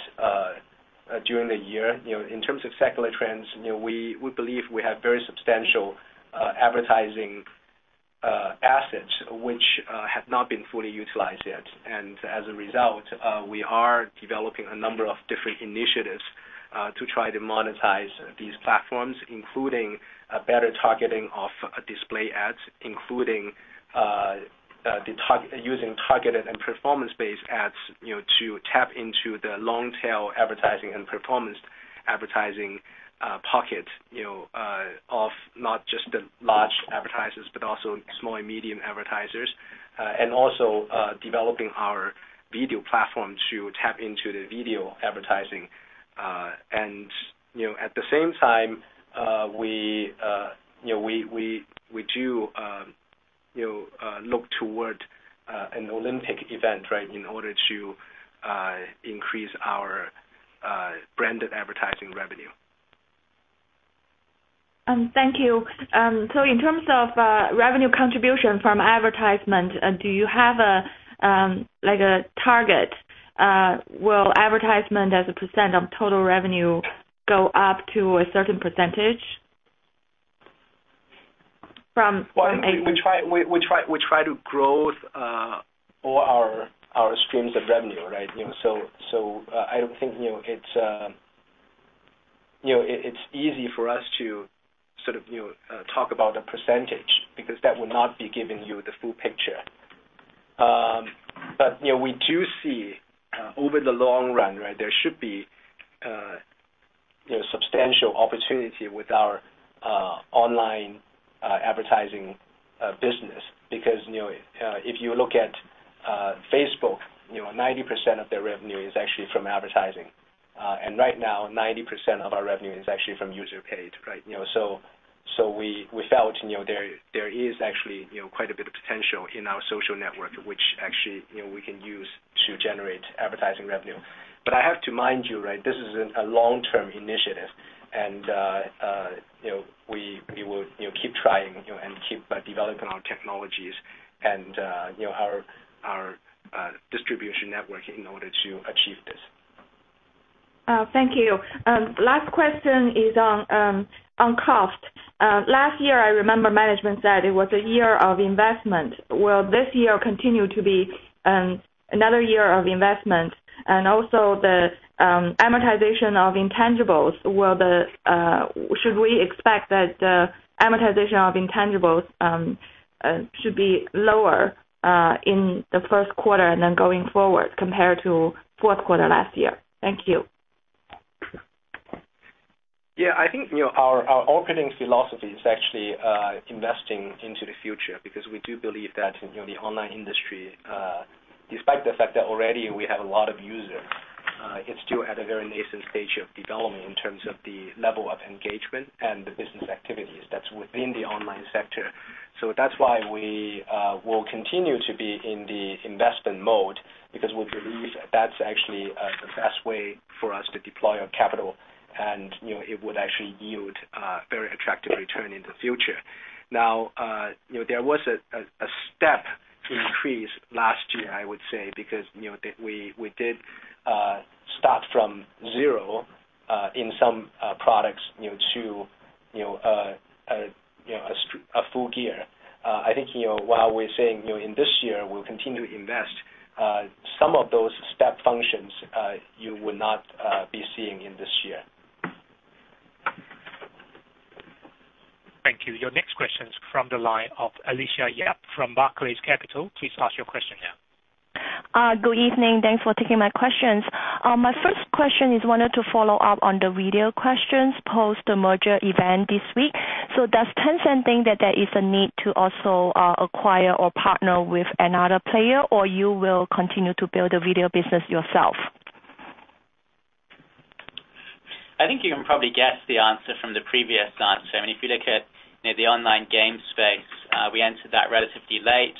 during the year. In terms of secular trends, we believe we have very substantial advertising assets which have not been fully utilized yet. As a result, we are developing a number of different initiatives to try to monetize these platforms, including better targeting of display ads, including using targeted and performance-based ads to tap into the long-tail advertising and performance advertising pocket of not just the large advertisers, but also small and medium advertisers, and also developing our video platform to tap into the video advertising. At the same time, we do look toward an Olympic event in order to increase our branded advertising revenue. Thank you. In terms of revenue contribution from advertisement, do you have a target? Will advertisement as a percent of total revenue go up to a certain percentage? We try to grow all our streams of revenue, right? I don't think it's easy for us to sort of talk about the percentage because that will not be giving you the full picture. We do see over the long run, right, there should be substantial opportunity with our online advertising business because if you look at Facebook, 90% of their revenue is actually from advertising. Right now, 90% of our revenue is actually from user paid, right? We felt there is actually quite a bit of potential in our social network, which actually we can use to generate advertising revenue. I have to mind you, right, this is a long-term initiative. We will keep trying and keep developing our technologies and our distribution network in order to achieve this. Thank you. Last question is on cost. Last year, I remember management said it was a year of investment. Will this year continue to be another year of investment? Also, the amortization of intangibles, should we expect that the amortization of intangibles should be lower in the first quarter and then going forward compared to the fourth quarter last year? Thank you. Yeah. I think our opening philosophy is actually investing into the future because we do believe that the online industry, despite the fact that already we have a lot of users, is still at a very nascent stage of development in terms of the level of engagement and the business activities that are within the online sector. That's why we will continue to be in the investment mode because we believe that's actually the best way for us to deploy our capital, and it would actually yield a very attractive return in the future. There was a step increase last year, I would say, because we did start from zero in some products to a full gear. I think while we're saying in this year we'll continue to invest, some of those step functions you will not be seeing in this year. Thank you. Your next question is from the line of Alicia Yap from Barclays Capital. Please ask your question now. Good evening. Thanks for taking my questions. My first question is, I wanted to follow up on the video questions post the merger event this week. Does Tencent think that there is a need to also acquire or partner with another player, or you will continue to build a video business yourself? I think you can probably guess the answer from the previous answer. I mean, if you look at the online game space, we entered that relatively late.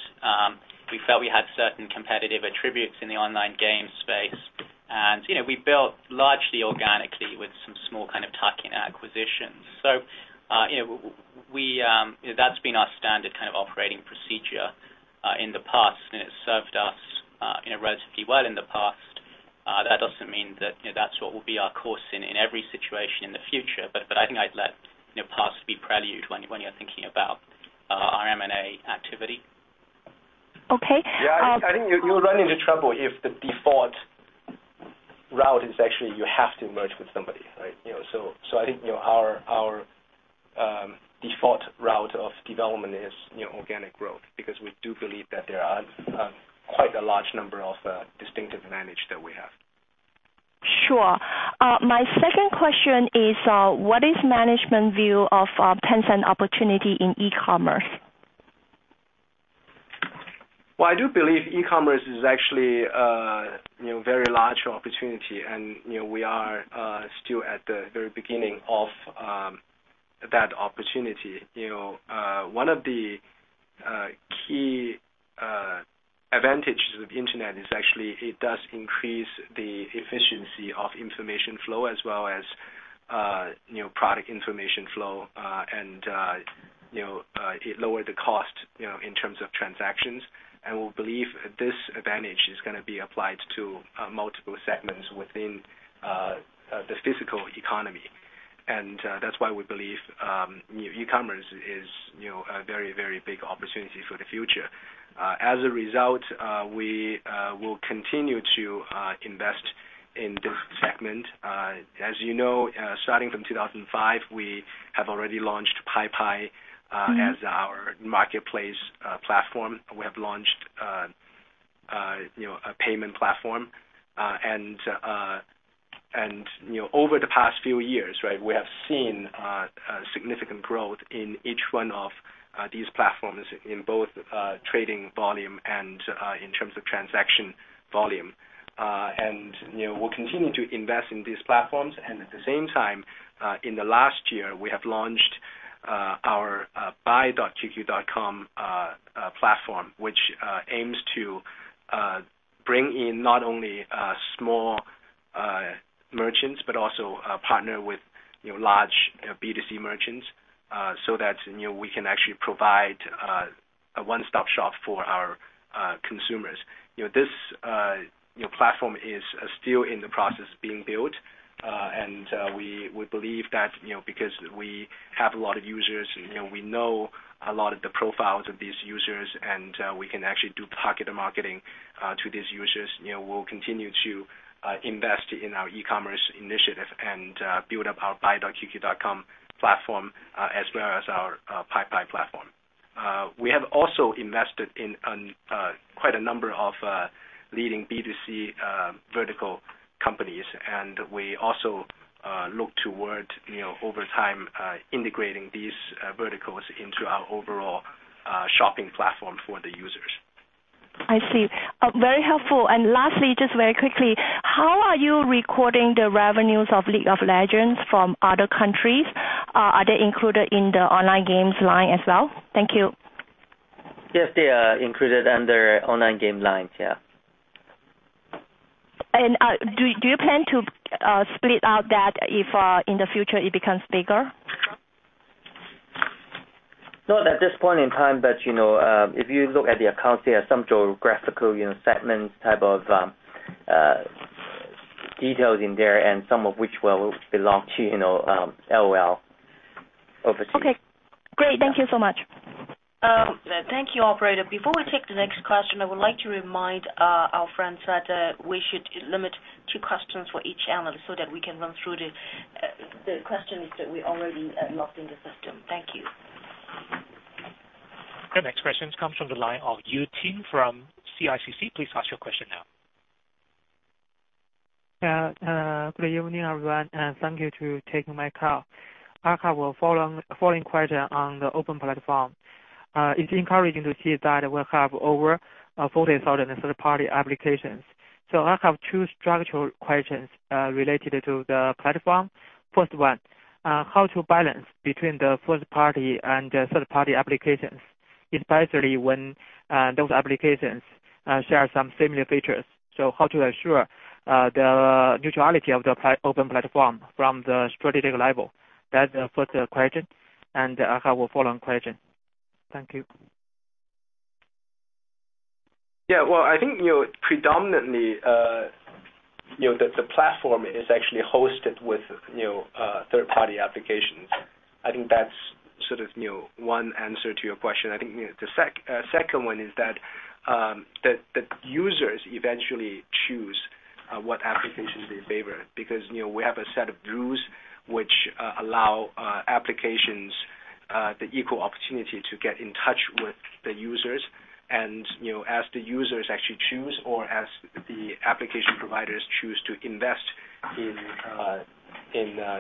We felt we had certain competitive attributes in the online game space, and we built largely organically with some small kind of tuck-in acquisitions. That has been our standard kind of operating procedure in the past, and it's served us relatively well in the past. That does not mean that that will be our course in every situation in the future. I think I'd let past be prelude when you're thinking about our M&A activity. Okay. I think you'll run into trouble if the default route is actually you have to merge with somebody, right? I think our default route of development is organic growth because we do believe that there are quite a large number of distinctive advantages that we have. Sure. My second question is, what is the management view of Tencent's opportunity in e-commerce? I do believe e-commerce is actually a very large opportunity, and we are still at the very beginning of that opportunity. One of the key advantages of the internet is actually it does increase the efficiency of information flow as well as product information flow. It lowers the cost in terms of transactions. We believe this advantage is going to be applied to multiple segments within the physical economy. That's why we believe e-commerce is a very, very big opportunity for the future. As a result, we will continue to invest in this segment. As you know, starting from 2005, we have already launched PayPay as our marketplace platform. We have launched a payment platform. Over the past few years, we have seen significant growth in each one of these platforms in both trading volume and in terms of transaction volume. We'll continue to invest in these platforms. At the same time, in the last year, we have launched our buy.qq.com platform, which aims to bring in not only small merchants, but also partner with large B2C merchants so that we can actually provide a one-stop shop for our consumers. This platform is still in the process of being built. We believe that because we have a lot of users, we know a lot of the profiles of these users, and we can actually do targeted marketing to these users. We'll continue to invest in our e-commerce initiative and build up our buy.qq.com platform as well as our PayPay platform. We have also invested in quite a number of leading B2C vertical companies. We also look toward over time integrating these verticals into our overall shopping platform for the users. I see. Very helpful. Lastly, just very quickly, how are you recording the revenues of League of Legends from other countries? Are they included in the online games line as well? Thank you. Yes, they are included under online games lines, yeah. Do you plan to split out that if in the future it becomes bigger? Not at this point in time, but if you look at the accounts, there are some geographical segments type of details in there, and some of which will belong to ours. Over to you. Okay. Great. Thank you so much. Thank you, operator. Before we take the next question, I would like to remind our friends that we should limit two questions for each analyst so that we can run through the question list that we already locked in the system. Thank you. The next question comes from the line of Yu Jin from CICC. Please ask your question now. Good evening, everyone, and thank you for taking my call. I have a following question on the open platform. It's encouraging to see that we have over 40,000 third-party applications. I have two structural questions related to the platform. First, how to balance between the first-party and the third-party applications, especially when those applications share some similar features? How to ensure the neutrality of the open platform from the strategic level? That's the first question. I have a follow-on question. Thank you. I think, predominantly, the platform is actually hosted with third-party applications. That's one answer to your question. The second one is that the users eventually choose what applications they favor because we have a set of rules which allow applications the equal opportunity to get in touch with the users. As the users actually choose or as the application providers choose to invest in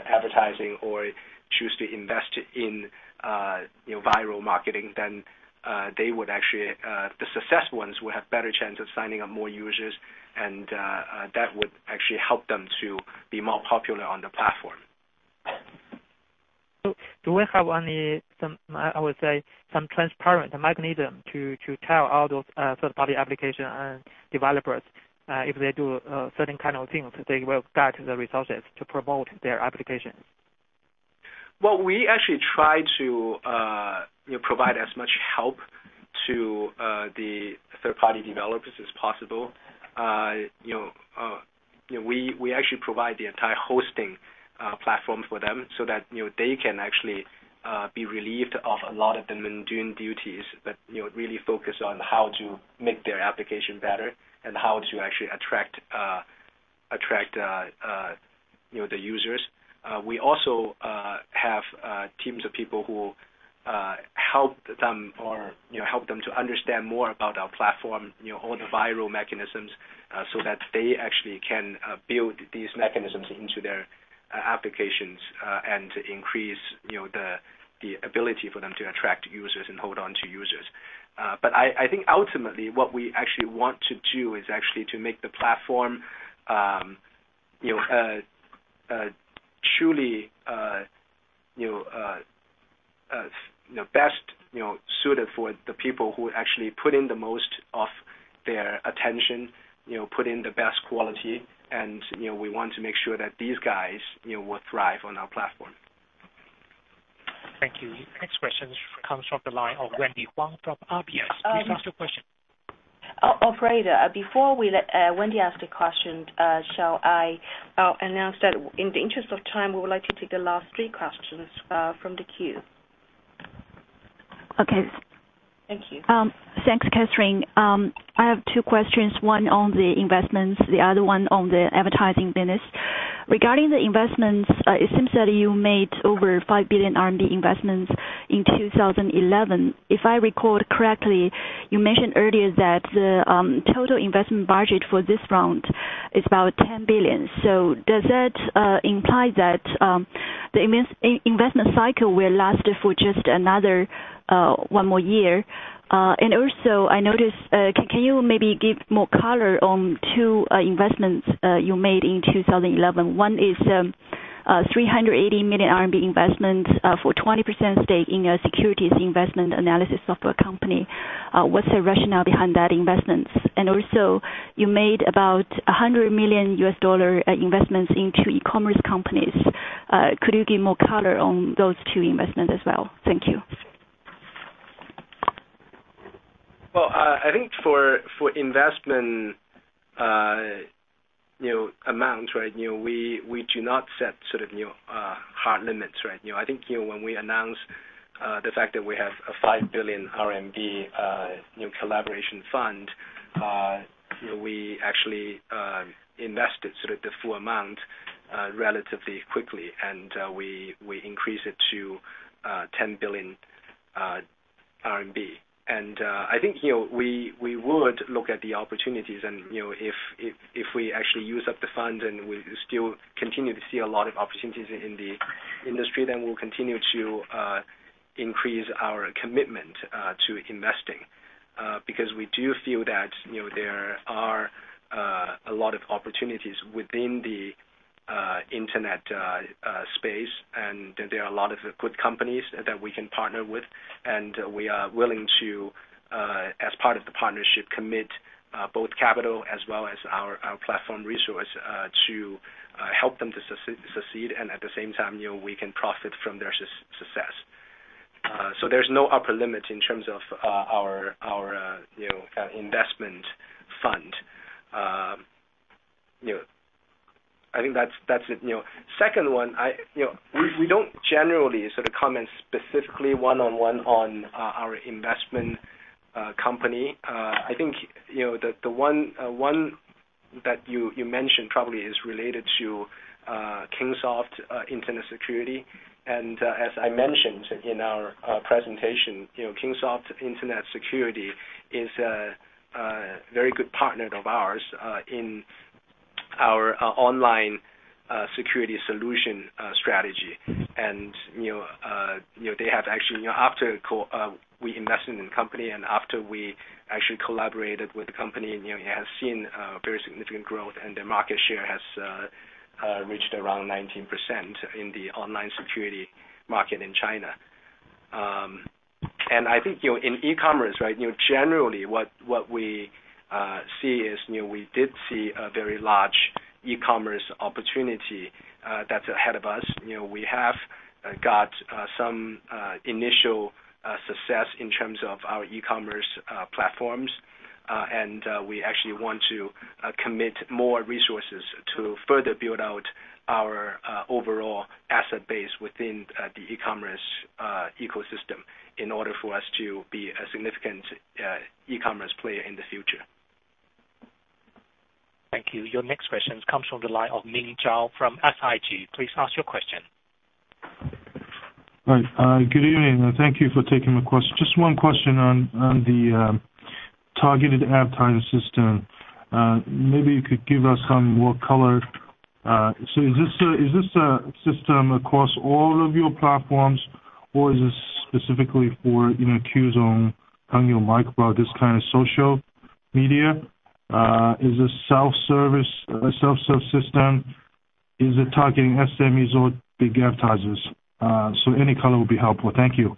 advertising or choose to invest in viral marketing, the successful ones would have a better chance of signing up more users, and that would actually help them to be more popular on the platform. Do we have any transparent mechanism to tell all those third-party applications and developers if they do certain kind of things, they will get the resources to promote their applications? We actually try to provide as much help to the third-party developers as possible. We actually provide the entire hosting platform for them so that they can actually be relieved of a lot of the mundane duties, but really focus on how to make their application better and how to actually attract the users. We also have teams of people who help them or help them to understand more about our platform, all the viral mechanisms, so that they actually can build these mechanisms into their applications and to increase the ability for them to attract users and hold onto users. I think ultimately what we actually want to do is to make the platform truly best suited for the people who actually put in the most of their attention, put in the best quality, and we want to make sure that these guys will thrive on our platform. Thank you. Next question comes from the line of Wendy Huang from RBS. Please ask your question. Operator, before we, Wendy asked a question, shall I announce that in the interest of time, we would like to take the last three questions from the queue. Okay. Thank you. Thanks, Catherine. I have two questions, one on the investments, the other one on the advertising business. Regarding the investments, it seems that you made over $5 billion R&D investments in 2011. If I recall correctly, you mentioned earlier that the total investment budget for this round is about $10 billion. Does that imply that the investment cycle will last for just another one more year? I also noticed, can you maybe give more color on two investments you made in 2011? One is $380 million R&D investments for a 20% stake in a securities investment analysis software company. What's the rationale behind that investment? You also made about $100 million U.S. dollar investments into e-commerce companies. Could you give more color on those two investments as well? Thank you. For investment amount, we do not set hard limits. When we announced the fact that we have a $5 billion R&D collaboration fund, we actually invested the full amount relatively quickly. We increased it to $10 billion R&D. We would look at the opportunities, and if we actually use up the fund and we still continue to see a lot of opportunities in the industry, then we'll continue to increase our commitment to investing, because we do feel that there are a lot of opportunities within the internet space, and there are a lot of good companies that we can partner with. We are willing to, as part of the partnership, commit both capital as well as our platform resource to help them to succeed, and at the same time, we can profit from their success. There is no upper limit in terms of our investment fund. That's it. Second one, we don't generally comment specifically one-on-one on our investment company. The one that you mentioned probably is related to Kingsoft Internet Security. As I mentioned in our presentation, Kingsoft Internet Security is a very good partner of ours in our online security solution strategy. After we invested in the company and after we actually collaborated with the company, it has seen very significant growth, and the market share has reached around 19% in the online security market in China. In e-commerce, generally, what we see is we did see a very large e-commerce opportunity that's ahead of us. We have got some initial success in terms of our e-commerce platforms. We actually want to commit more resources to further build out our overall asset base within the e-commerce ecosystem in order for us to be a significant e-commerce player in the future. Thank you. Your next question comes from the line of Ming Zhao from SIG. Please ask your question. All right. Good evening. Thank you for taking my question. Just one question on the targeted advertising system. Maybe you could give us some more color. Is this system across all of your platforms, or is this specifically for, you know, QZone, this kind of social media? Is this self-service, self-serve system? Is it targeting SMEs or big advertisers? Any color would be helpful. Thank you.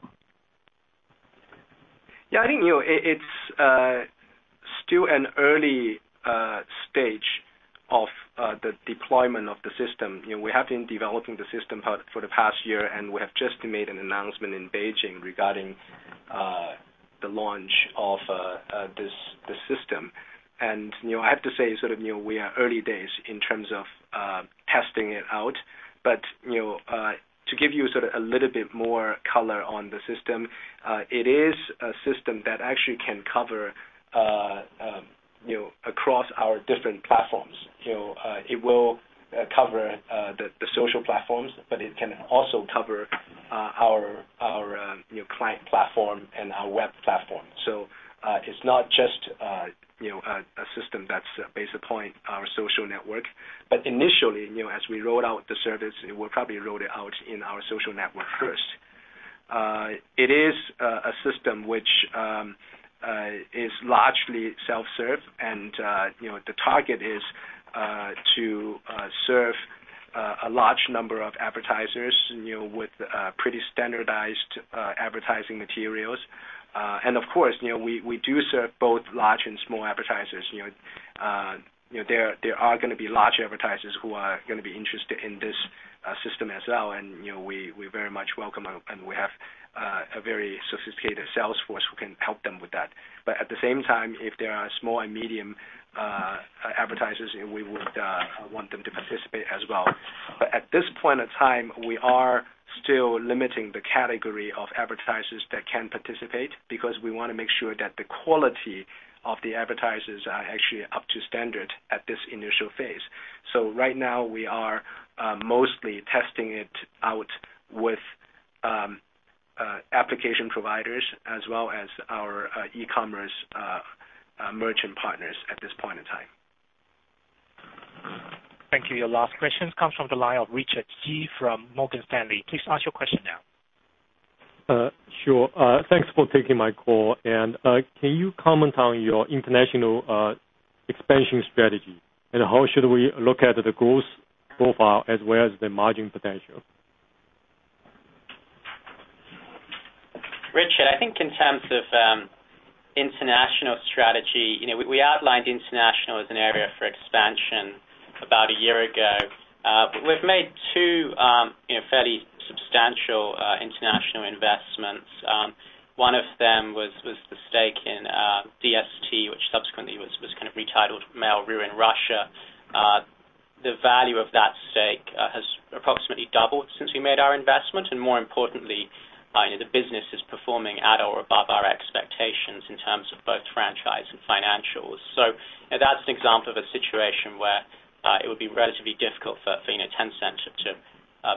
Yeah. I think it's still an early stage of the deployment of the system. We have been developing the system for the past year, and we have just made an announcement in Beijing regarding the launch of this system. I have to say we are early days in terms of testing it out. To give you a little bit more color on the system, it is a system that actually can cover across our different platforms. It will cover the social platforms, but it can also cover our client platform and our web platform. It's not just a system that's based upon our social network. Initially, as we rolled out the service, we probably rolled it out in our social network first. It is a system which is largely self-serve, and the target is to serve a large number of advertisers with pretty standardized advertising materials. Of course, we do serve both large and small advertisers. There are going to be large advertisers who are going to be interested in this system as well. We very much welcome them, and we have a very sophisticated sales force who can help them with that. At the same time, if there are small and medium advertisers, we would want them to participate as well. At this point of time, we are still limiting the category of advertisers that can participate because we want to make sure that the quality of the advertisers are actually up to standard at this initial phase. Right now, we are mostly testing it out with application providers as well as our e-commerce merchant partners at this point in time. Thank you. Your last question comes from the line of Richard Ji from Morgan Stanley. Please ask your question now. Sure. Thanks for taking my call. Can you comment on your international expansion strategy? How should we look at the growth profile as well as the margin potential? Richard, I think in terms of international strategy, you know, we outlined international as an area for expansion about a year ago. We've made two fairly substantial international investments. One of them was the stake in Mail.ru in Russia. The value of that stake has approximately doubled since we made our investment. More importantly, the business is performing at or above our expectations in terms of both franchise and financials. That's an example of a situation where it would be relatively difficult for Tencent to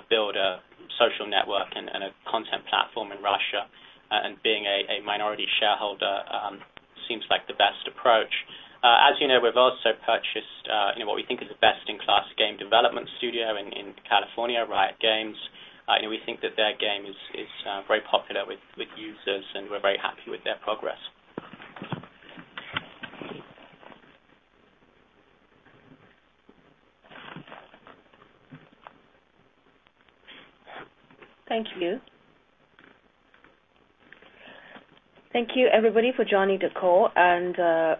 build a social network and a content platform in Russia, and being a minority shareholder seems like the best approach. As you know, we've also purchased what we think is a best-in-class game development studio in California, Riot Games. We think that their game is very popular with users, and we're very happy with their progress. Thank you. Thank you, everybody, for joining the call.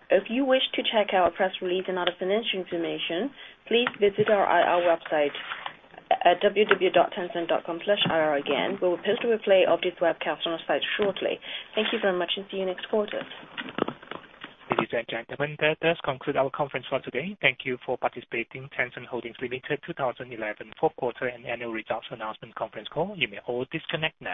If you wish to check our press release and other financial information, please visit our IR website at www.tencent.com/ir. We will post a replay of this webcast on our site shortly. Thank you very much, and see you next quarter. Ladies and gentlemen, that does conclude our conference for today. Thank you for participating in Tencent Holdings Limited 2011 Fourth Quarter and Annual Results Announcement Conference Call. You may all disconnect now.